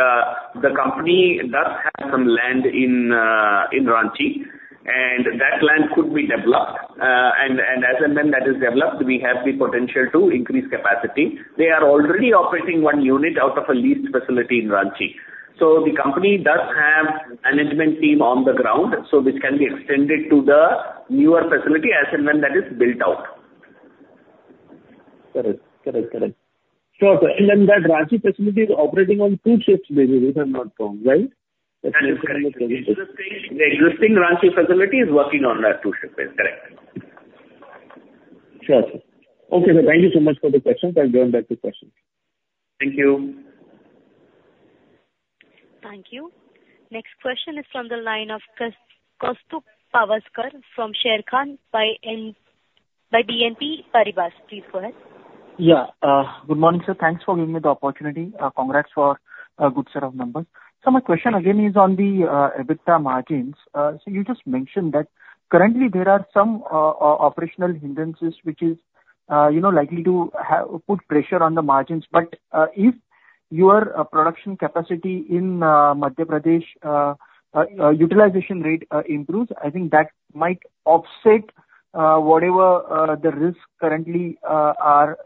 the company does have some land in Ranchi, and that land could be developed. And as and when that is developed, we have the potential to increase capacity. They are already operating one unit out of a leased facility in Ranchi. So the company does have management team on the ground, so which can be extended to the newer facility as and when that is built out. Got it. Got it. Got it. Sure. And then that Ranchi facility is operating on two shifts basis, if I'm not wrong, right? That is correct. The existing Ranchi facility is working on that two-shift basis. Correct. Sure, sir. Okay, sir. Thank you so much for the questions. I'll go on back to questions. Thank you. Thank you. Next question is from the line of Kaustubh Pawaskar from Sharekhan by BNP Paribas. Please go ahead. Yeah. Good morning, sir. Thanks for giving me the opportunity. Congrats for a good set of numbers. So my question, again, is on the EBITDA margins. So you just mentioned that currently, there are some operational hindrances, which is likely to put pressure on the margins. But if your production capacity in Madhya Pradesh utilization rate improves, I think that might offset whatever the risks currently you are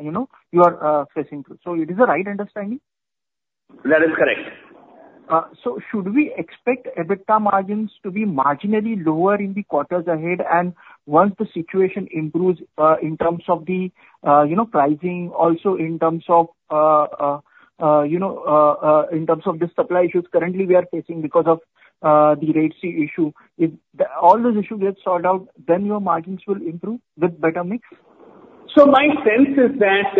facing through. So it is the right understanding? That is correct. Should we expect EBITDA margins to be marginally lower in the quarters ahead? Once the situation improves in terms of the pricing, also in terms of the supply issues currently we are facing because of the rate issue, if all those issues get sorted out, then your margins will improve with better mix? So my sense is that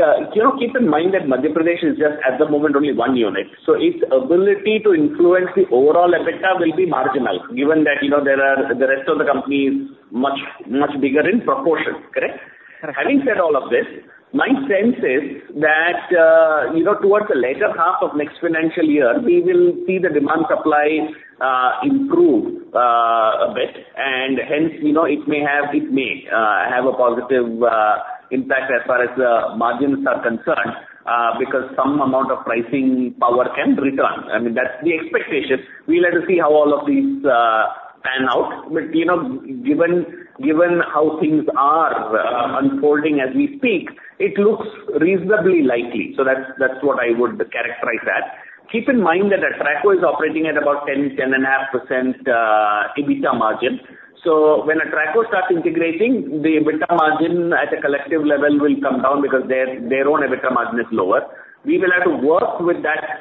keep in mind that Madhya Pradesh is just, at the moment, only one unit. So its ability to influence the overall EBITDA will be marginal given that there are the rest of the companies much, much bigger in proportion. Correct? Correct. Having said all of this, my sense is that towards the later half of next financial year, we will see the demand-supply improve a bit. And hence, it may have it may have a positive impact as far as the margins are concerned because some amount of pricing power can return. I mean, that's the expectation. We'll have to see how all of these pan out. But given how things are unfolding as we speak, it looks reasonably likely. So that's what I would characterize that. Keep in mind that Atraco is operating at about 10%-10.5% EBITDA margin. So when Atraco starts integrating, the EBITDA margin at a collective level will come down because their own EBITDA margin is lower. We will have to work with that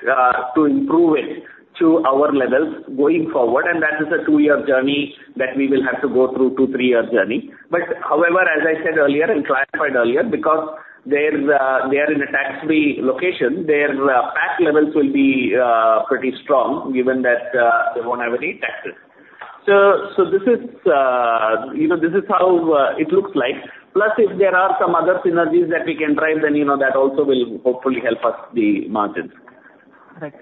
to improve it to our levels going forward. That is a 2-year journey that we will have to go through, 2- to 3-year journey. But however, as I said earlier and clarified earlier, because they are in a tax-free location, their PAT levels will be pretty strong given that they won't have any taxes. So this is how it looks like. Plus, if there are some other synergies that we can drive, then that also will hopefully help us the margins. Right.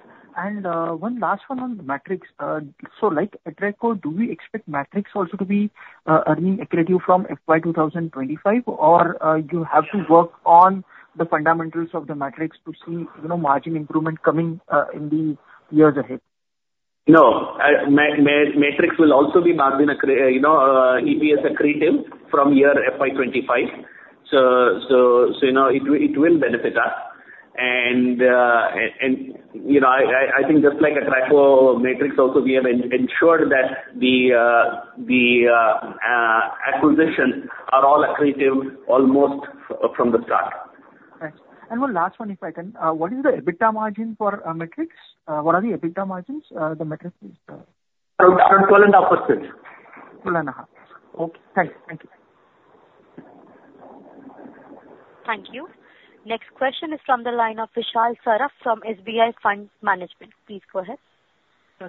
And one last one on the Matrix. So like Atraco, do we expect Matrix also to be earning accretive from FY2025, or you have to work on the fundamentals of the Matrix to see margin improvement coming in the years ahead? No. Matrix will also be margin EPS accretive from year FY 2025. So it will benefit us. And I think just like Atraco, Matrix also, we have ensured that the acquisitions are all accretive almost from the start. Right. One last one, if I can. What is the EBITDA margin for Matrix? What are the EBITDA margins the Matrix is? Around 12.5%. 12.5. Okay. Thank you. Thank you. Next question is from the line of Vishal Saraf from SBI Fund Management. Please go ahead.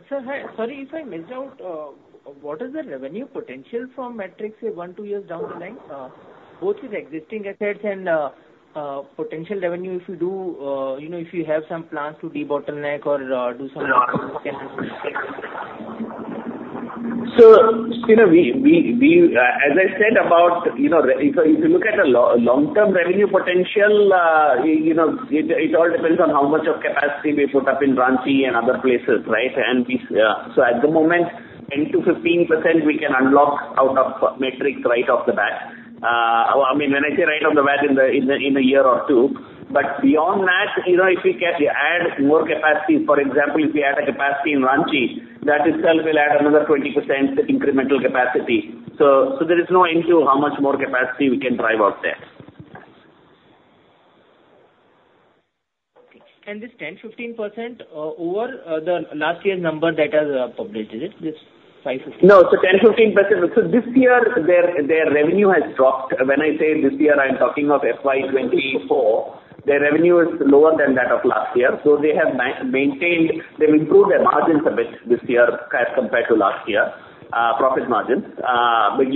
Sir, sorry if I missed out. What is the revenue potential from Matrix, say, 1, 2 years down the line, both with existing assets and potential revenue if you do if you have some plans to de-bottleneck or do some? So as I said about if you look at the long-term revenue potential, it all depends on how much of capacity we put up in Ranchi and other places, right? And so at the moment, 10%-15%, we can unlock out of Matrix right off the bat. I mean, when I say right off the bat in a year or two. But beyond that, if we add more capacity for example, if we add a capacity in Ranchi, that itself will add another 20% incremental capacity. So there is no end to how much more capacity we can drive out there. This 10%-15% over the last year's number that has published, is it? This 5-15? No. So 10%-15%. So this year, their revenue has dropped. When I say this year, I'm talking of FY 2024. Their revenue is lower than that of last year. So they have maintained they've improved their margins a bit this year as compared to last year, profit margins. But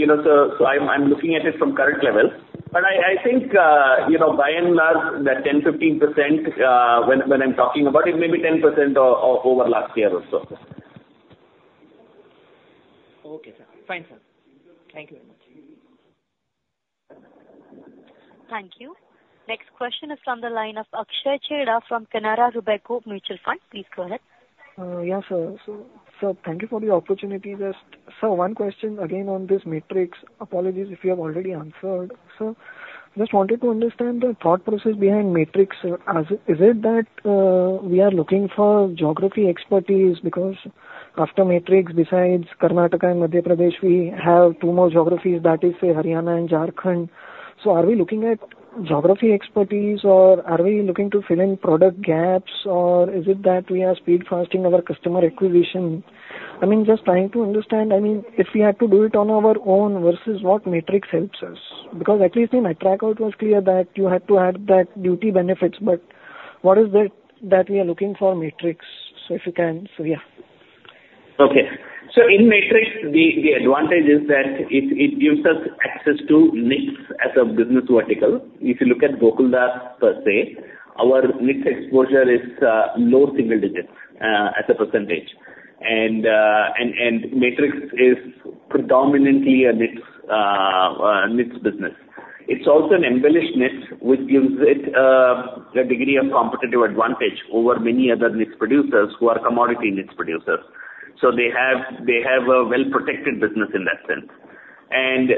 so I'm looking at it from current levels. But I think by and large, that 10%-15%, when I'm talking about it, maybe 10% over last year also. Okay, sir. Fine, sir. Thank you very much. Thank you. Next question is from the line of Akshay Chheda from Canara Robeco Mutual Fund. Please go ahead. Yeah, sir. So thank you for the opportunity. Sir, one question again on this Matrix. Apologies if you have already answered. Sir, just wanted to understand the thought process behind Matrix. Is it that we are looking for geography expertise? Because after Matrix, besides Karnataka and Madhya Pradesh, we have two more geographies, that is, say, Haryana and Jharkhand. So are we looking at geography expertise, or are we looking to fill in product gaps, or is it that we are fast-tracking our customer acquisition? I mean, just trying to understand, I mean, if we had to do it on our own versus what Matrix helps us. Because at least in Atraco, it was clear that you had to add that duty benefits. But what is it that we are looking for Matrix? So if you can, so yeah. Okay. So in Matrix, the advantage is that it gives us access to knits as a business vertical. If you look at Gokaldas, per se, our knits exposure is low single digits as a percentage. And Matrix is predominantly a knits business. It's also an embellished knits, which gives it a degree of competitive advantage over many other knits producers who are commodity knits producers. So they have a well-protected business in that sense. And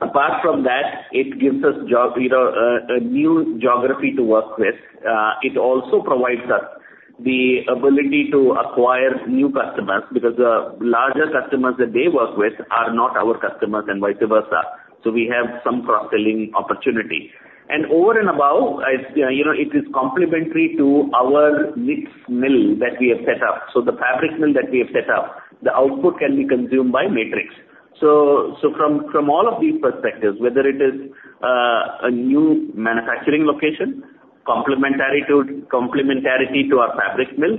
apart from that, it gives us a new geography to work with. It also provides us the ability to acquire new customers because the larger customers that they work with are not our customers and vice versa. So we have some cross-selling opportunity. And over and above, it is complementary to our knits mill that we have set up. So the fabric mill that we have set up, the output can be consumed by Matrix. So from all of these perspectives, whether it is a new manufacturing location, complementarity to our fabric mill,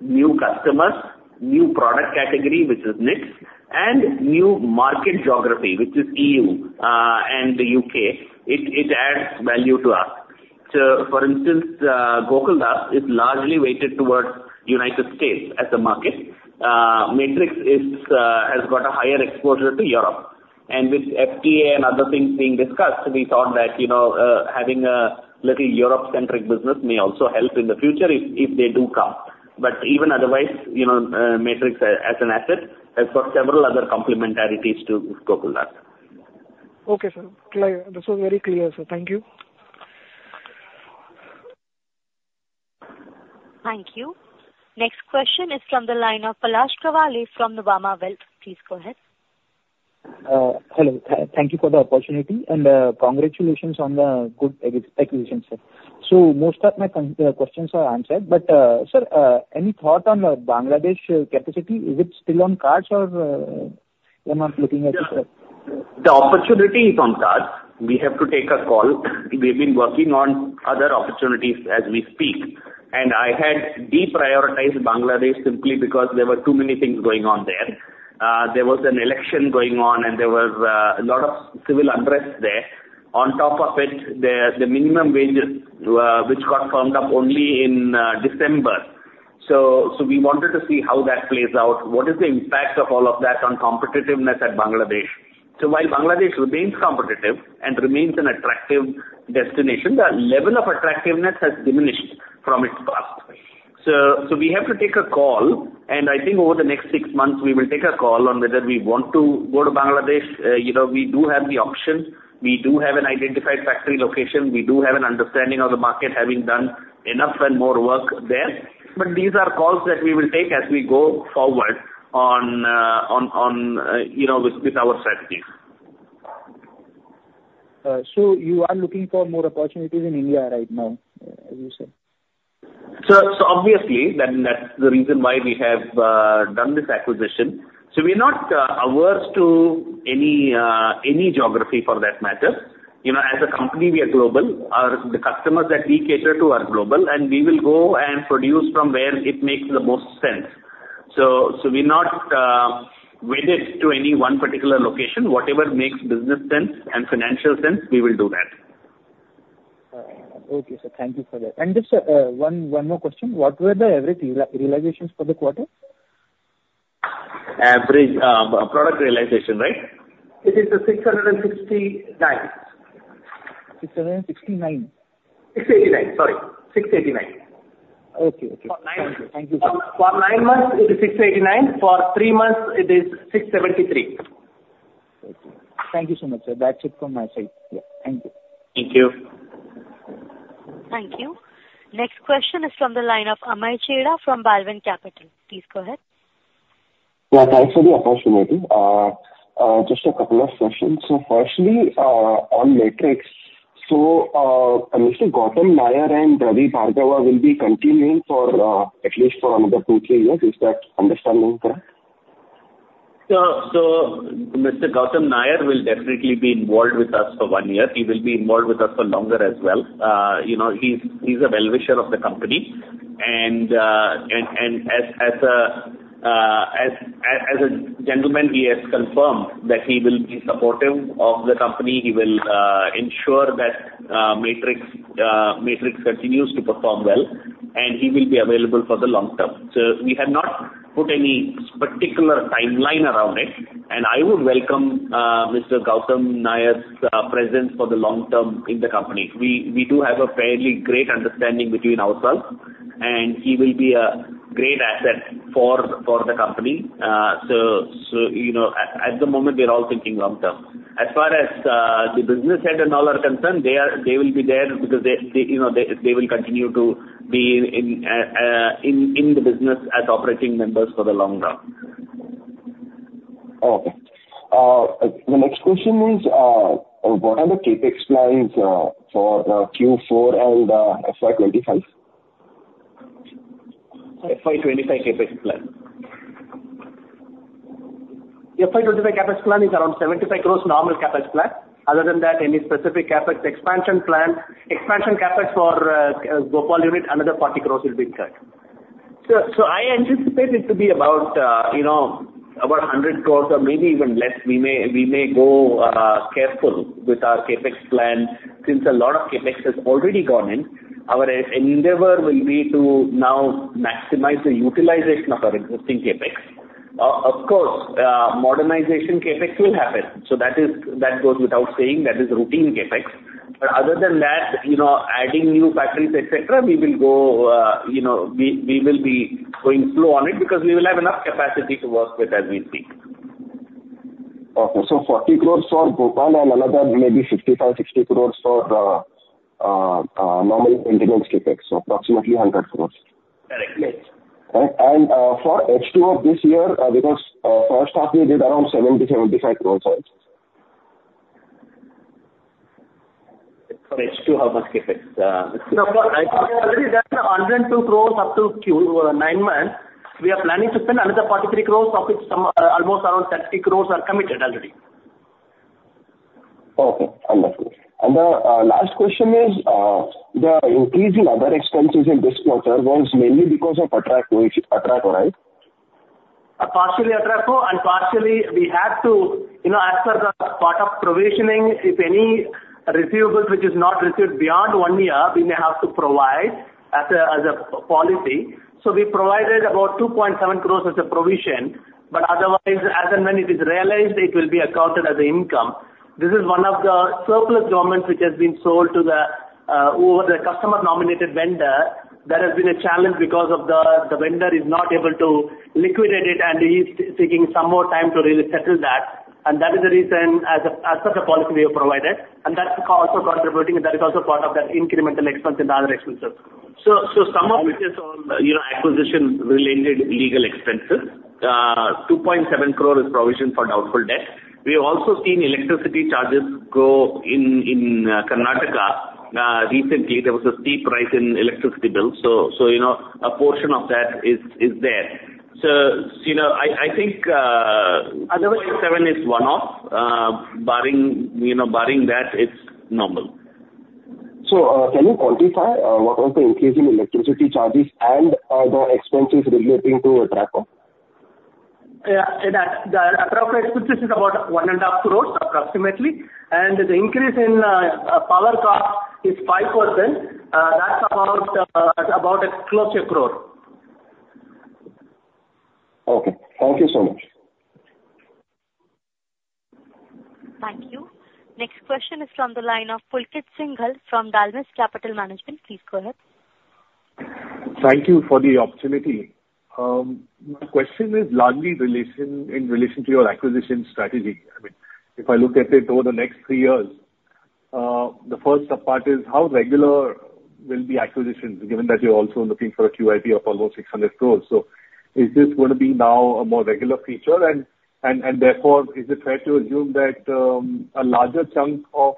new customers, new product category, which is Knits, and new market geography, which is EU and the UK, it adds value to us. So for instance, Gokaldas is largely weighted towards United States as a market. Matrix has got a higher exposure to Europe. And with FTA and other things being discussed, we thought that having a little Europe-centric business may also help in the future if they do come. But even otherwise, Matrix as an asset has got several other complementarities to Gokaldas. Okay, sir. This was very clear, sir. Thank you. Thank you. Next question is from the line of Palash Kavale from Nuvama Wealth. Please go ahead. Hello. Thank you for the opportunity. Congratulations on the good acquisition, sir. Most of my questions are answered. Sir, any thought on Bangladesh capacity? Is it still on cards, or you're not looking at it? The opportunity is on the cards. We have to take a call. We've been working on other opportunities as we speak. I had deprioritized Bangladesh simply because there were too many things going on there. There was an election going on, and there were a lot of civil unrest there. On top of it, the minimum wage, which got firmed up only in December. So we wanted to see how that plays out. What is the impact of all of that on competitiveness at Bangladesh? While Bangladesh remains competitive and remains an attractive destination, the level of attractiveness has diminished from its past. We have to take a call. I think over the next six months, we will take a call on whether we want to go to Bangladesh. We do have the option. We do have an identified factory location. We do have an understanding of the market, having done enough and more work there. But these are calls that we will take as we go forward with our strategies. So you are looking for more opportunities in India right now, as you said? So obviously, that's the reason why we have done this acquisition. So we're not averse to any geography for that matter. As a company, we are global. The customers that we cater to are global. And we will go and produce from where it makes the most sense. So we're not wedded to any one particular location. Whatever makes business sense and financial sense, we will do that. Okay, sir. Thank you for that. Just one more question. What were the average realizations for the quarter? Average product realization, right? It is $669. 669? 689. Sorry. 689. Okay, okay. Thank you. Thank you, sir. For 9 months, it is 689. For 3 months, it is 673. Okay. Thank you so much, sir. That's it from my side. Yeah. Thank you. Thank you. Thank you. Next question is from the line of Amay Chheda from Vallum Capital. Please go ahead. Yeah. Thanks for the opportunity. Just a couple of questions. So firstly, on Matrix, so Mr. Gautam Nair and Ravi Bhargava will be continuing for at least for another 2-3 years. Is that understanding correct? So Mr. Gautam Nair will definitely be involved with us for one year. He will be involved with us for longer as well. He's a well-wisher of the company. And as a gentleman, he has confirmed that he will be supportive of the company. He will ensure that Matrix continues to perform well. And he will be available for the long term. So we have not put any particular timeline around it. And I would welcome Mr. Gautam Nair's presence for the long term in the company. We do have a fairly great understanding between ourselves. And he will be a great asset for the company. So at the moment, we're all thinking long term. As far as the business head and all are concerned, they will be there because they will continue to be in the business as operating members for the long run. Okay. The next question is, what are the CapEx plans for Q4 and FY 2025? FY 2025 CapEx plan? The FY 2025 CapEx plan is around 75 crore normal CapEx plan. Other than that, any specific CapEx expansion plan expansion CapEx for Bhopal unit, another 40 crore will be cut. So I anticipate it to be about 100 crore or maybe even less. We may go careful with our CapEx plan since a lot of CapEx has already gone in. Our endeavor will be to now maximize the utilization of our existing CapEx. Of course, modernization CapEx will happen. So that goes without saying. That is routine CapEx. But other than that, adding new factories, etc., we will go we will be going slow on it because we will have enough capacity to work with as we speak. Okay. So 40 crore for Bhopal and another maybe 55 crore-60 crore for normal maintenance CapEx, so approximately 100 crore? Correct. Yes. For H2 of this year, because first half, we did around 70-75 crores also. For H2, how much CapEx? No, but I think we have already done 102 crores up to Q3, nine months. We are planning to spend another 43 crores, of which almost around 30 crores are committed already. Okay. Understood. And the last question is, the increase in other expenses in this quarter was mainly because of Atraco, right? Partially Atraco. And partially, we had to as per the part of provisioning, if any receivable which is not received beyond one year, we may have to provide as a policy. So we provided about 2.7 crore as a provision. But otherwise, as and when it is realized, it will be accounted as an income. This is one of the surplus garment which has been sold to the customer-nominated vendor. That has been a challenge because the vendor is not able to liquidate it, and he's taking some more time to really settle that. And that is the reason as per the policy we have provided. And that's also contributing, and that is also part of that incremental expense and other expenses. So some of it is all acquisition-related legal expenses. 2.7 crore is provisioned for doubtful debt. We have also seen electricity charges go in Karnataka. Recently, there was a steep rise in electricity bills. So a portion of that is there. So I think 2.7 is one-off. Barring that, it's normal. Can you quantify what was the increase in electricity charges and the expenses relating to Atraco? Yeah. The Atraco expenses is about 1.5 crore approximately. The increase in power cost is 5%. That's about close to 1 crore. Okay. Thank you so much. Thank you. Next question is from the line of Pulkit Singhal from Dalmus Capital Management. Please go ahead. Thank you for the opportunity. My question is largely in relation to your acquisition strategy. I mean, if I look at it over the next three years, the first part is how regular will be acquisitions given that you're also looking for a QIP of almost 600 crore? So is this going to be now a more regular feature? And therefore, is it fair to assume that a larger chunk of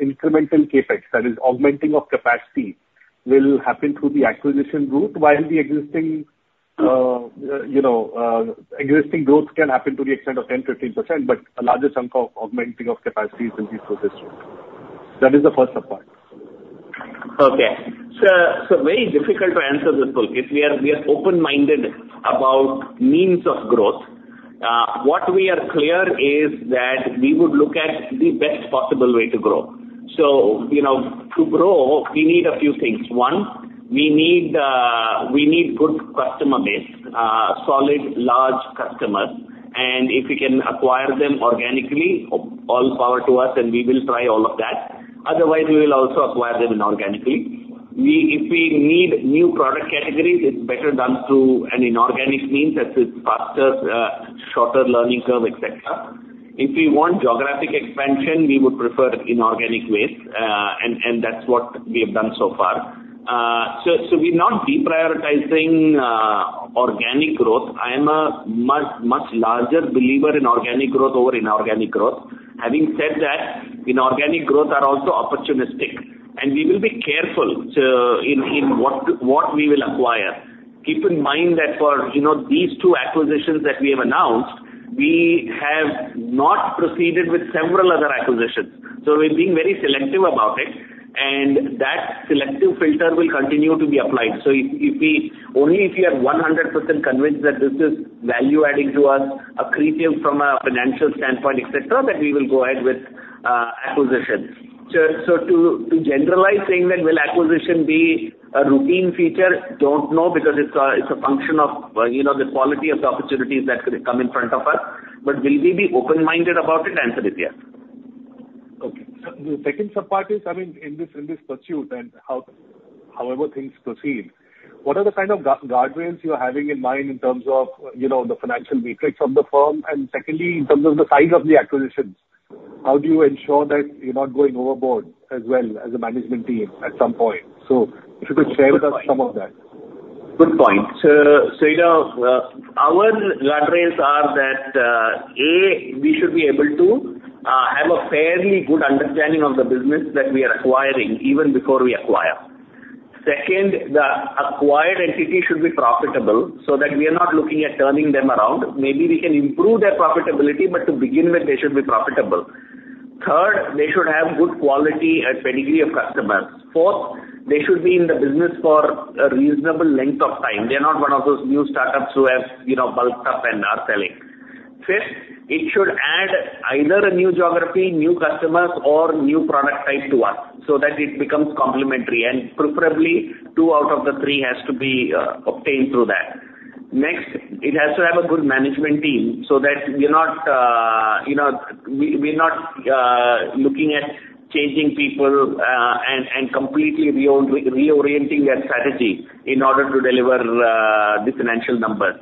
incremental CapEx, that is, augmenting of capacity, will happen through the acquisition route while the existing growth can happen to the extent of 10%-15%, but a larger chunk of augmenting of capacity will be through this route? That is the first part. Okay. So very difficult to answer this, Pulkit. We are open-minded about means of growth. What we are clear is that we would look at the best possible way to grow. So to grow, we need a few things. One, we need good customer base, solid, large customers. And if we can acquire them organically, all power to us, and we will try all of that. Otherwise, we will also acquire them inorganically. If we need new product categories, it's better done through an inorganic means as it's faster, shorter learning curve, etc. If we want geographic expansion, we would prefer inorganic ways. And that's what we have done so far. So we're not deprioritizing organic growth. I am a much, much larger believer in organic growth over inorganic growth. Having said that, inorganic growth are also opportunistic. And we will be careful in what we will acquire. Keep in mind that for these two acquisitions that we have announced, we have not proceeded with several other acquisitions. We're being very selective about it. That selective filter will continue to be applied. Only if you are 100% convinced that this is value-adding to us, accretive from a financial standpoint, etc., that we will go ahead with acquisitions. To generalize saying that will acquisition be a routine feature, don't know because it's a function of the quality of the opportunities that come in front of us. Will we be open-minded about it? The answer is yes. Okay. The second subpart is, I mean, in this pursuit and however things proceed, what are the kind of guardrails you're having in mind in terms of the financial metrics of the firm? And secondly, in terms of the size of the acquisitions, how do you ensure that you're not going overboard as well as a management team at some point? So if you could share with us some of that. Good point. So our guardrails are that, A, we should be able to have a fairly good understanding of the business that we are acquiring even before we acquire. Second, the acquired entity should be profitable so that we are not looking at turning them around. Maybe we can improve their profitability, but to begin with, they should be profitable. Third, they should have good quality and pedigree of customers. Fourth, they should be in the business for a reasonable length of time. They're not one of those new startups who have bulked up and are selling. Fifth, it should add either a new geography, new customers, or new product type to us so that it becomes complementary. And preferably, two out of the three has to be obtained through that. Next, it has to have a good management team so that we're not looking at changing people and completely reorienting their strategy in order to deliver the financial numbers.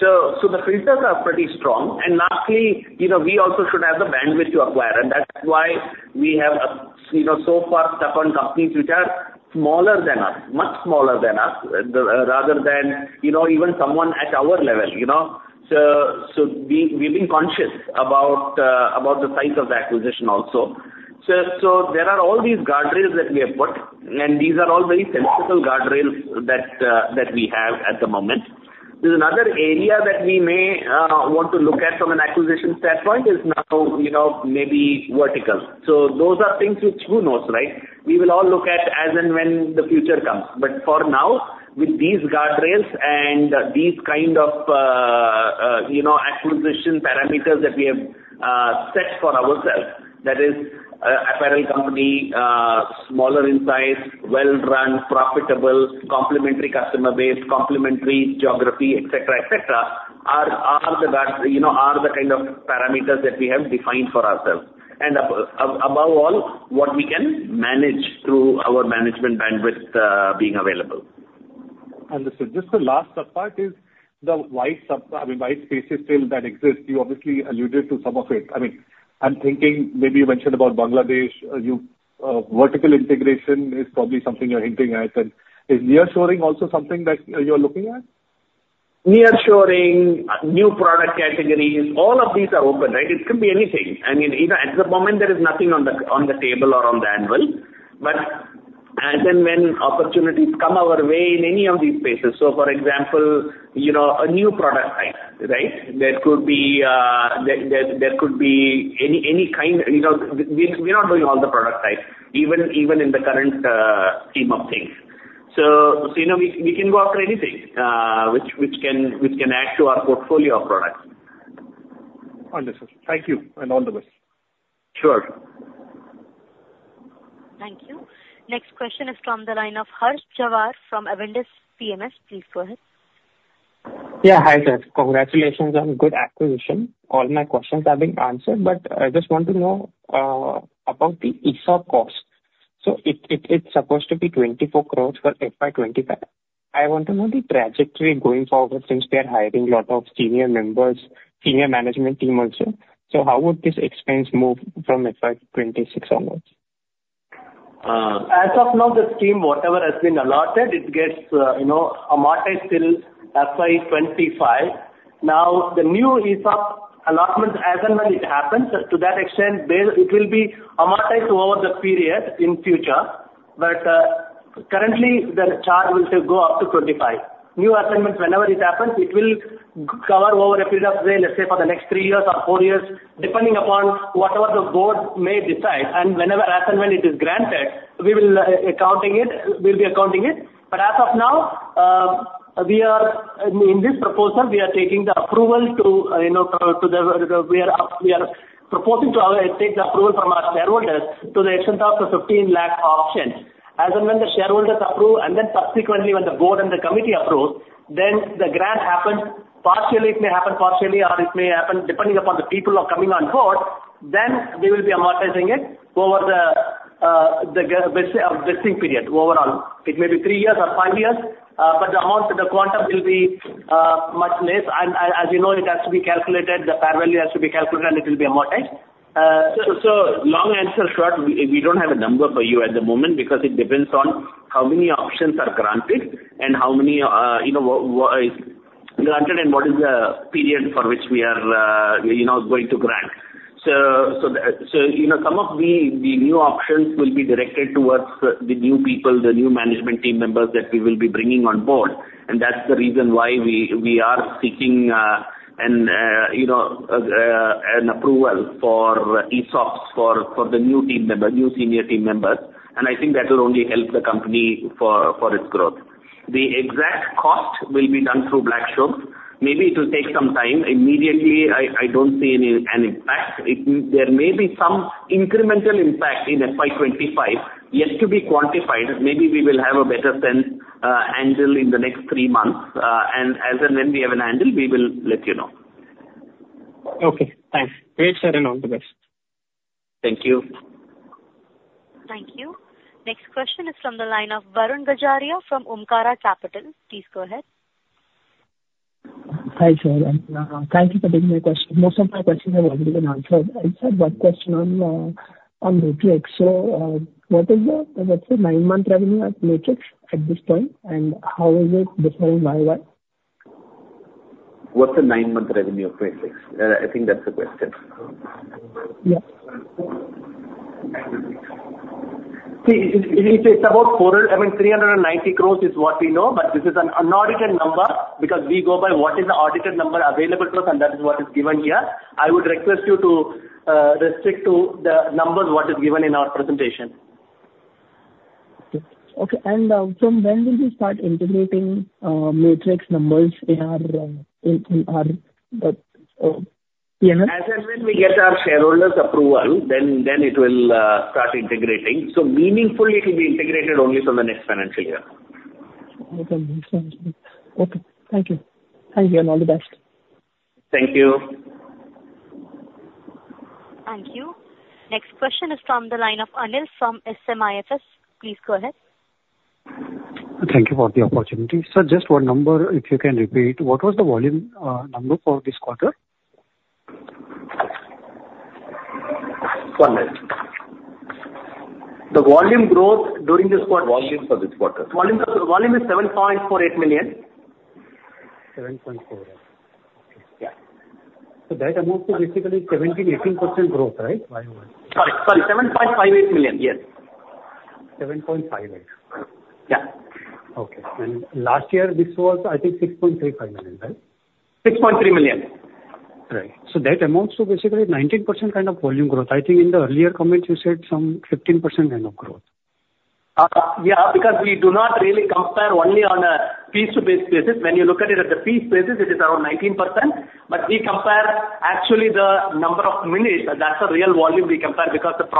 So the filters are pretty strong. And lastly, we also should have the bandwidth to acquire. And that's why we have so far stuck on companies which are smaller than us, much smaller than us, rather than even someone at our level. So we've been conscious about the size of the acquisition also. So there are all these guardrails that we have put. And these are all very sensible guardrails that we have at the moment. There's another area that we may want to look at from an acquisition standpoint is now maybe vertical. So those are things which who knows, right? We will all look at as and when the future comes. But for now, with these guardrails and these kind of acquisition parameters that we have set for ourselves, that is, apparel company, smaller in size, well-run, profitable, complementary customer base, complementary geography, etc., etc., are the kind of parameters that we have defined for ourselves. And above all, what we can manage through our management bandwidth being available. Understood. Just the last subpart is the wide, I mean, wide spaces still that exist. You obviously alluded to some of it. I mean, I'm thinking maybe you mentioned about Bangladesh. Vertical integration is probably something you're hinting at. And is nearshoring also something that you're looking at? Nearshoring, new product categories, all of these are open, right? It can be anything. I mean, at the moment, there is nothing on the table or on the anvil. But as and when opportunities come our way in any of these spaces so for example, a new product type, right? There could be any kind we're not doing all the product types even in the current scheme of things. So we can go after anything which can add to our portfolio of products. Understood. Thank you. And all the best. Sure. Thank you. Next question is from the line of Harsh Jhaveri from Avendus PMS. Please go ahead. Yeah. Hi, sir. Congratulations on good acquisition. All my questions have been answered. I just want to know about the ESOP cost. It's supposed to be 24 crore for FY 2025. I want to know the trajectory going forward since we are hiring a lot of senior members, senior management team also. How would this expense move from FY 2026 onwards? As of now, the scheme, whatever has been allotted, it gets amortized till FY 2025. Now, the new ESOP allotment, as and when it happens, to that extent, it will be amortized over the period in future. But currently, the charge will go up to FY 2025. New assignment, whenever it happens, it will cover over a period of, say, let's say for the next three years or four years, depending upon whatever the board may decide. And whenever as and when it is granted, we will be accounting it. But as of now, in this proposal, we are proposing to take the approval from our shareholders to the extent of a 1.5-lakh option. As and when the shareholders approve and then subsequently, when the board and the committee approve, then the grant happens partially, it may happen partially, or it may happen depending upon the people coming on board, then we will be amortizing it over the vesting period overall. It may be three years or five years. But the amount, the quantum, will be much less. And as you know, it has to be calculated. The fair value has to be calculated, and it will be amortized. So, long answer short, we don't have a number for you at the moment because it depends on how many options are granted and how many is granted and what is the period for which we are going to grant. So some of the new options will be directed towards the new people, the new management team members that we will be bringing on board. That's the reason why we are seeking an approval for ESOPs for the new senior team members. I think that will only help the company for its growth. The exact cost will be done through Black-Scholes. Maybe it will take some time. Immediately, I don't see any impact. There may be some incremental impact in FY 2025, yet to be quantified. Maybe we will have a better handle in the next three months. As and when we have a handle, we will let you know. Okay. Thanks. Great sharing and all the best. Thank you. Thank you. Next question is from the line of Varun Gajaria from Omkara Capital. Please go ahead. Hi, sir. Thank you for taking my question. Most of my questions have already been answered. I just had one question on Matrix. So what is the, let's say, 9-month revenue at Matrix at this point? And how is it differing by what? What's the nine-month revenue of Matrix? I think that's the question. Yeah. See, it's about 400 crore, I mean, 390 crore, is what we know. But this is an audited number because we go by what is the audited number available to us, and that is what is given here. I would request you to restrict to the numbers what is given in our presentation. Okay. And from when will you start integrating Matrix numbers in our PMS? As and when we get our shareholders' approval, then it will start integrating. So meaningfully, it will be integrated only from the next financial year. Okay. Thank you. Thank you, and all the best. Thank you. Thank you. Next question is from the line of Anil from SMIFS. Please go ahead. Thank you for the opportunity. Sir, just one number, if you can repeat. What was the volume number for this quarter? 1 minute. The volume growth during this quarter. Volume for this quarter? Volume is 7.48 million. 7.48. Okay. Yeah. That amounts to basically 17%-18% growth, right? Sorry. Sorry. 7.58 million. Yes. 7.58. Yeah. Okay. And last year, this was, I think, 6.35 million, right? 6.3 million. Right. So that amounts to basically 19% kind of volume growth. I think in the earlier comments, you said some 15% kind of growth. Yeah, because we do not really compare only on a piece-to-piece basis. When you look at it at the piece basis, it is around 19%. But we compare actually the number of minutes. That's the real volume we compare because the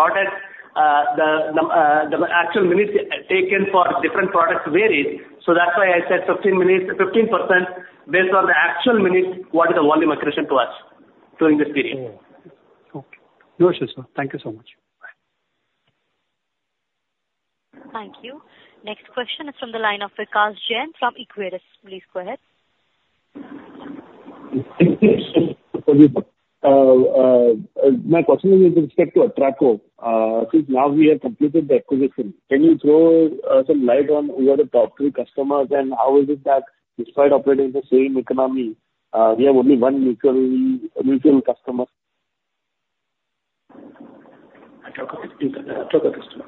actual minutes taken for different products varies. So that's why I said 15% based on the actual minutes, what is the volume accretion to us during this period. Okay. No issue, sir. Thank you so much. Bye. Thank you. Next question is from the line of Vikas Jain from Equirus. Please go ahead. My question is with respect to Atraco. Since now we have completed the acquisition, can you throw some light on who are the top three customers and how is it that despite operating in the same economy, we have only one mutual customer? Atraco is the Atraco customer.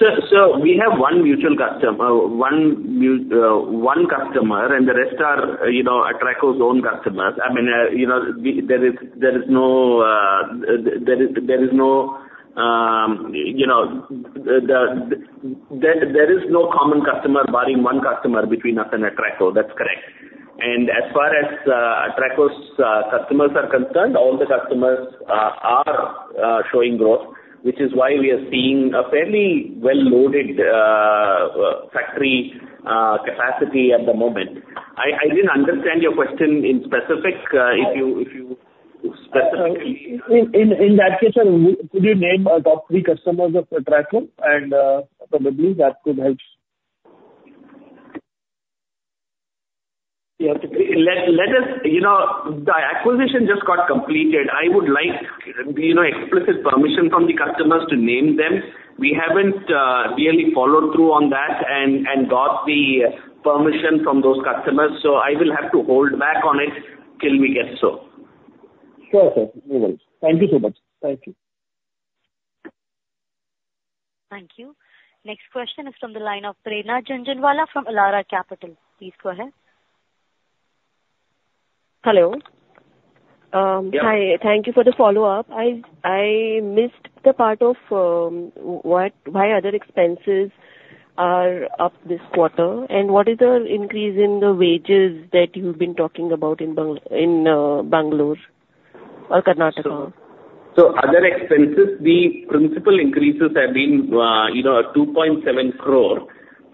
Sir, so we have one mutual customer, one customer, and the rest are Atraco's own customers. I mean, there is no common customer beyond one customer between us and Atraco. That's correct. And as far as Atraco's customers are concerned, all the customers are showing growth, which is why we are seeing a fairly well-loaded factory capacity at the moment. I didn't understand your question in specific. If you specifically. In that case, sir, could you name our top three customers of Atraco? And probably that could help. The acquisition just got completed. I would like explicit permission from the customers to name them. We haven't really followed through on that and got the permission from those customers. So I will have to hold back on it till we get so. Sure, sir. No worries. Thank you so much. Thank you. Thank you. Next question is from the line of Prerna Jhunjhunwala from Elara Capital. Please go ahead. Hello? Hi. Thank you for the follow-up. I missed the part of why other expenses are up this quarter and what is the increase in the wages that you've been talking about in Bangalore or Karnataka? So other expenses, the principal increases have been 2.7 crore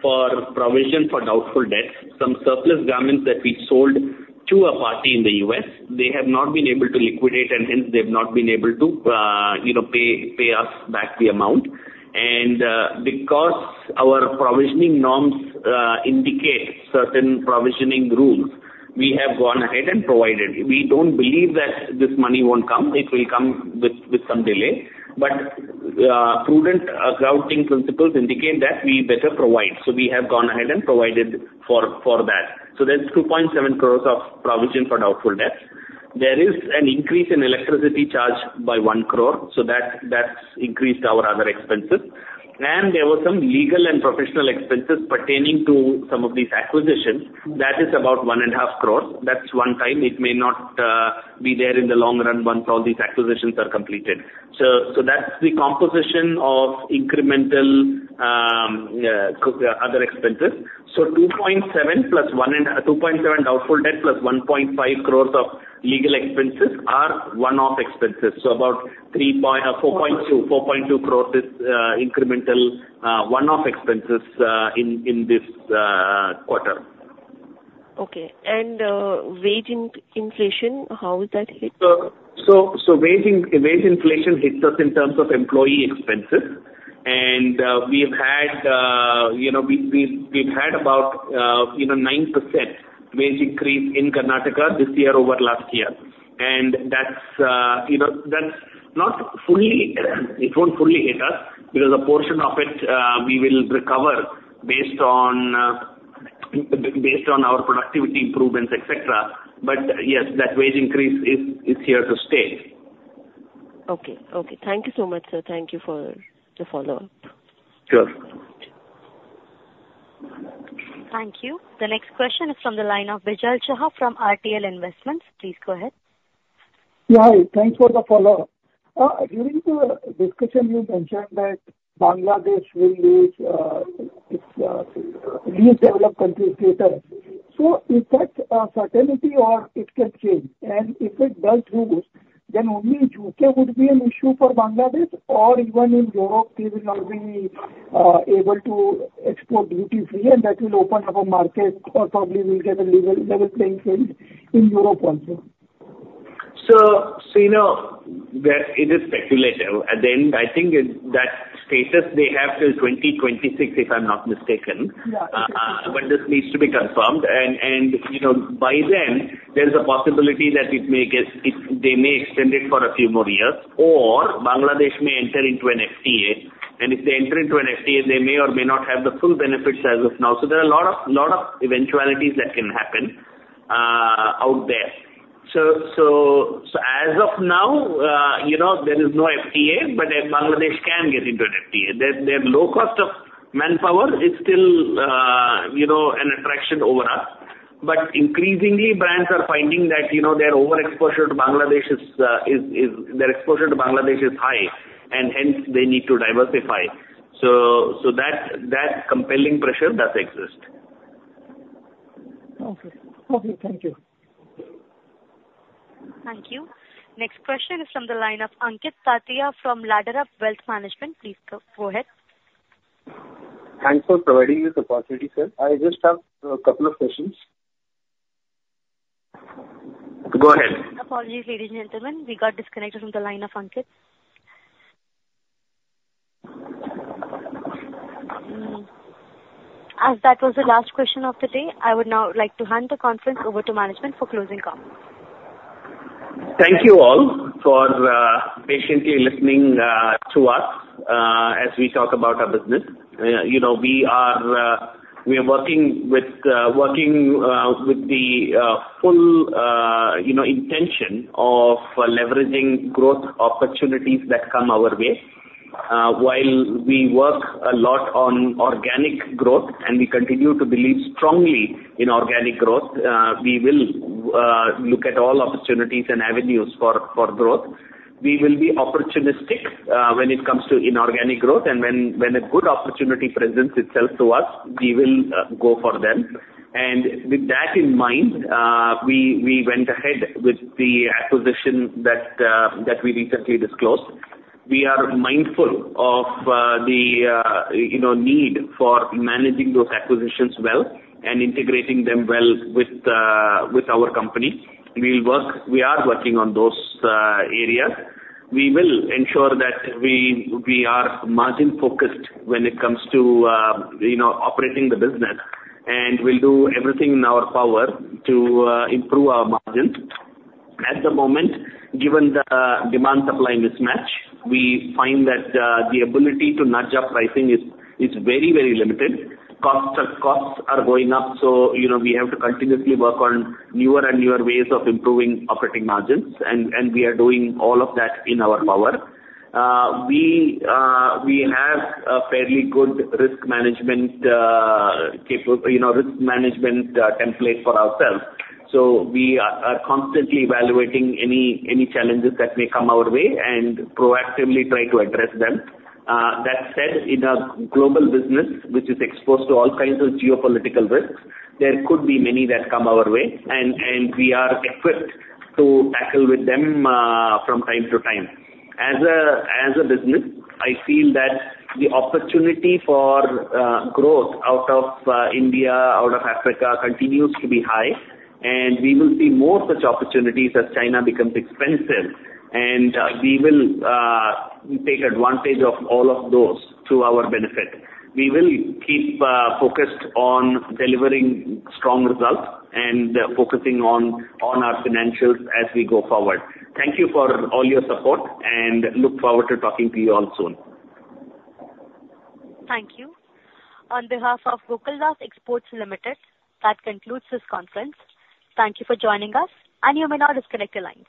for provision for doubtful debts. Some surplus garments that we sold to a party in the U.S., they have not been able to liquidate, and hence, they've not been able to pay us back the amount. And because our provisioning norms indicate certain provisioning rules, we have gone ahead and provided. We don't believe that this money won't come. It will come with some delay. But prudent accounting principles indicate that we better provide. So we have gone ahead and provided for that. So there's 2.7 crores of provision for doubtful debts. There is an increase in electricity charge by 1 crore. So that's increased our other expenses. And there were some legal and professional expenses pertaining to some of these acquisitions. That is about 1.5 crores. That's one time. It may not be there in the long run once all these acquisitions are completed. So that's the composition of incremental other expenses. So 2.7 + 1 and 2.7 doubtful debt + 1.5 crores of legal expenses are one-off expenses. So about 4.2 crores is incremental one-off expenses in this quarter. Okay. And wage inflation, how is that hit? So wage inflation hits us in terms of employee expenses. And we've had about 9% wage increase in Karnataka this year over last year. And that's not fully; it won't fully hit us because a portion of it, we will recover based on our productivity improvements, etc. But yes, that wage increase is here to stay. Okay. Okay. Thank you so much, sir. Thank you for the follow-up. Sure. Thank you. The next question is from the line of Bijal Shah from RTL Investments. Please go ahead. Hi. Thanks for the follow-up. During the discussion, you mentioned that Bangladesh will lose its least developed countries later. So is that a certainty, or it can change? And if it does lose, then only U.K. would be an issue for Bangladesh, or even in Europe, they will not be able to export duty-free, and that will open up a market, or probably we'll get a level playing field in Europe also? So it is speculative. And then I think that status they have till 2026, if I'm not mistaken. But this needs to be confirmed. And by then, there's a possibility that they may extend it for a few more years, or Bangladesh may enter into an FTA. And if they enter into an FTA, they may or may not have the full benefits as of now. So there are a lot of eventualities that can happen out there. So as of now, there is no FTA, but Bangladesh can get into an FTA. Their low cost of manpower is still an attraction over us. But increasingly, brands are finding that their exposure to Bangladesh is high, and hence, they need to diversify. So that compelling pressure does exist. Okay. Okay. Thank you. Thank you. Next question is from the line of Ankit Tatiya from Ladder Up Wealth Management. Please go ahead. Thanks for providing this opportunity, sir. I just have a couple of questions. Go ahead. Apologies, ladies and gentlemen. We got disconnected from the line of Ankit. As that was the last question of the day, I would now like to hand the conference over to management for closing comments. Thank you all for patiently listening to us as we talk about our business. We are working with the full intention of leveraging growth opportunities that come our way. While we work a lot on organic growth, and we continue to believe strongly in organic growth, we will look at all opportunities and avenues for growth. We will be opportunistic when it comes to inorganic growth. And when a good opportunity presents itself to us, we will go for them. And with that in mind, we went ahead with the acquisition that we recently disclosed. We are mindful of the need for managing those acquisitions well and integrating them well with our company. We are working on those areas. We will ensure that we are margin-focused when it comes to operating the business, and we'll do everything in our power to improve our margins. At the moment, given the demand-supply mismatch, we find that the ability to nudge up pricing is very, very limited. Costs are going up, so we have to continuously work on newer and newer ways of improving operating margins. We are doing all of that in our power. We have a fairly good risk management template for ourselves. We are constantly evaluating any challenges that may come our way and proactively try to address them. That said, in a global business which is exposed to all kinds of geopolitical risks, there could be many that come our way. We are equipped to tackle with them from time to time. As a business, I feel that the opportunity for growth out of India, out of Africa, continues to be high. We will see more such opportunities as China becomes expensive. And we will take advantage of all of those to our benefit. We will keep focused on delivering strong results and focusing on our financials as we go forward. Thank you for all your support, and look forward to talking to you all soon. Thank you. On behalf of Gokaldas Exports Limited, that concludes this conference. Thank you for joining us, and you may now disconnect the lines.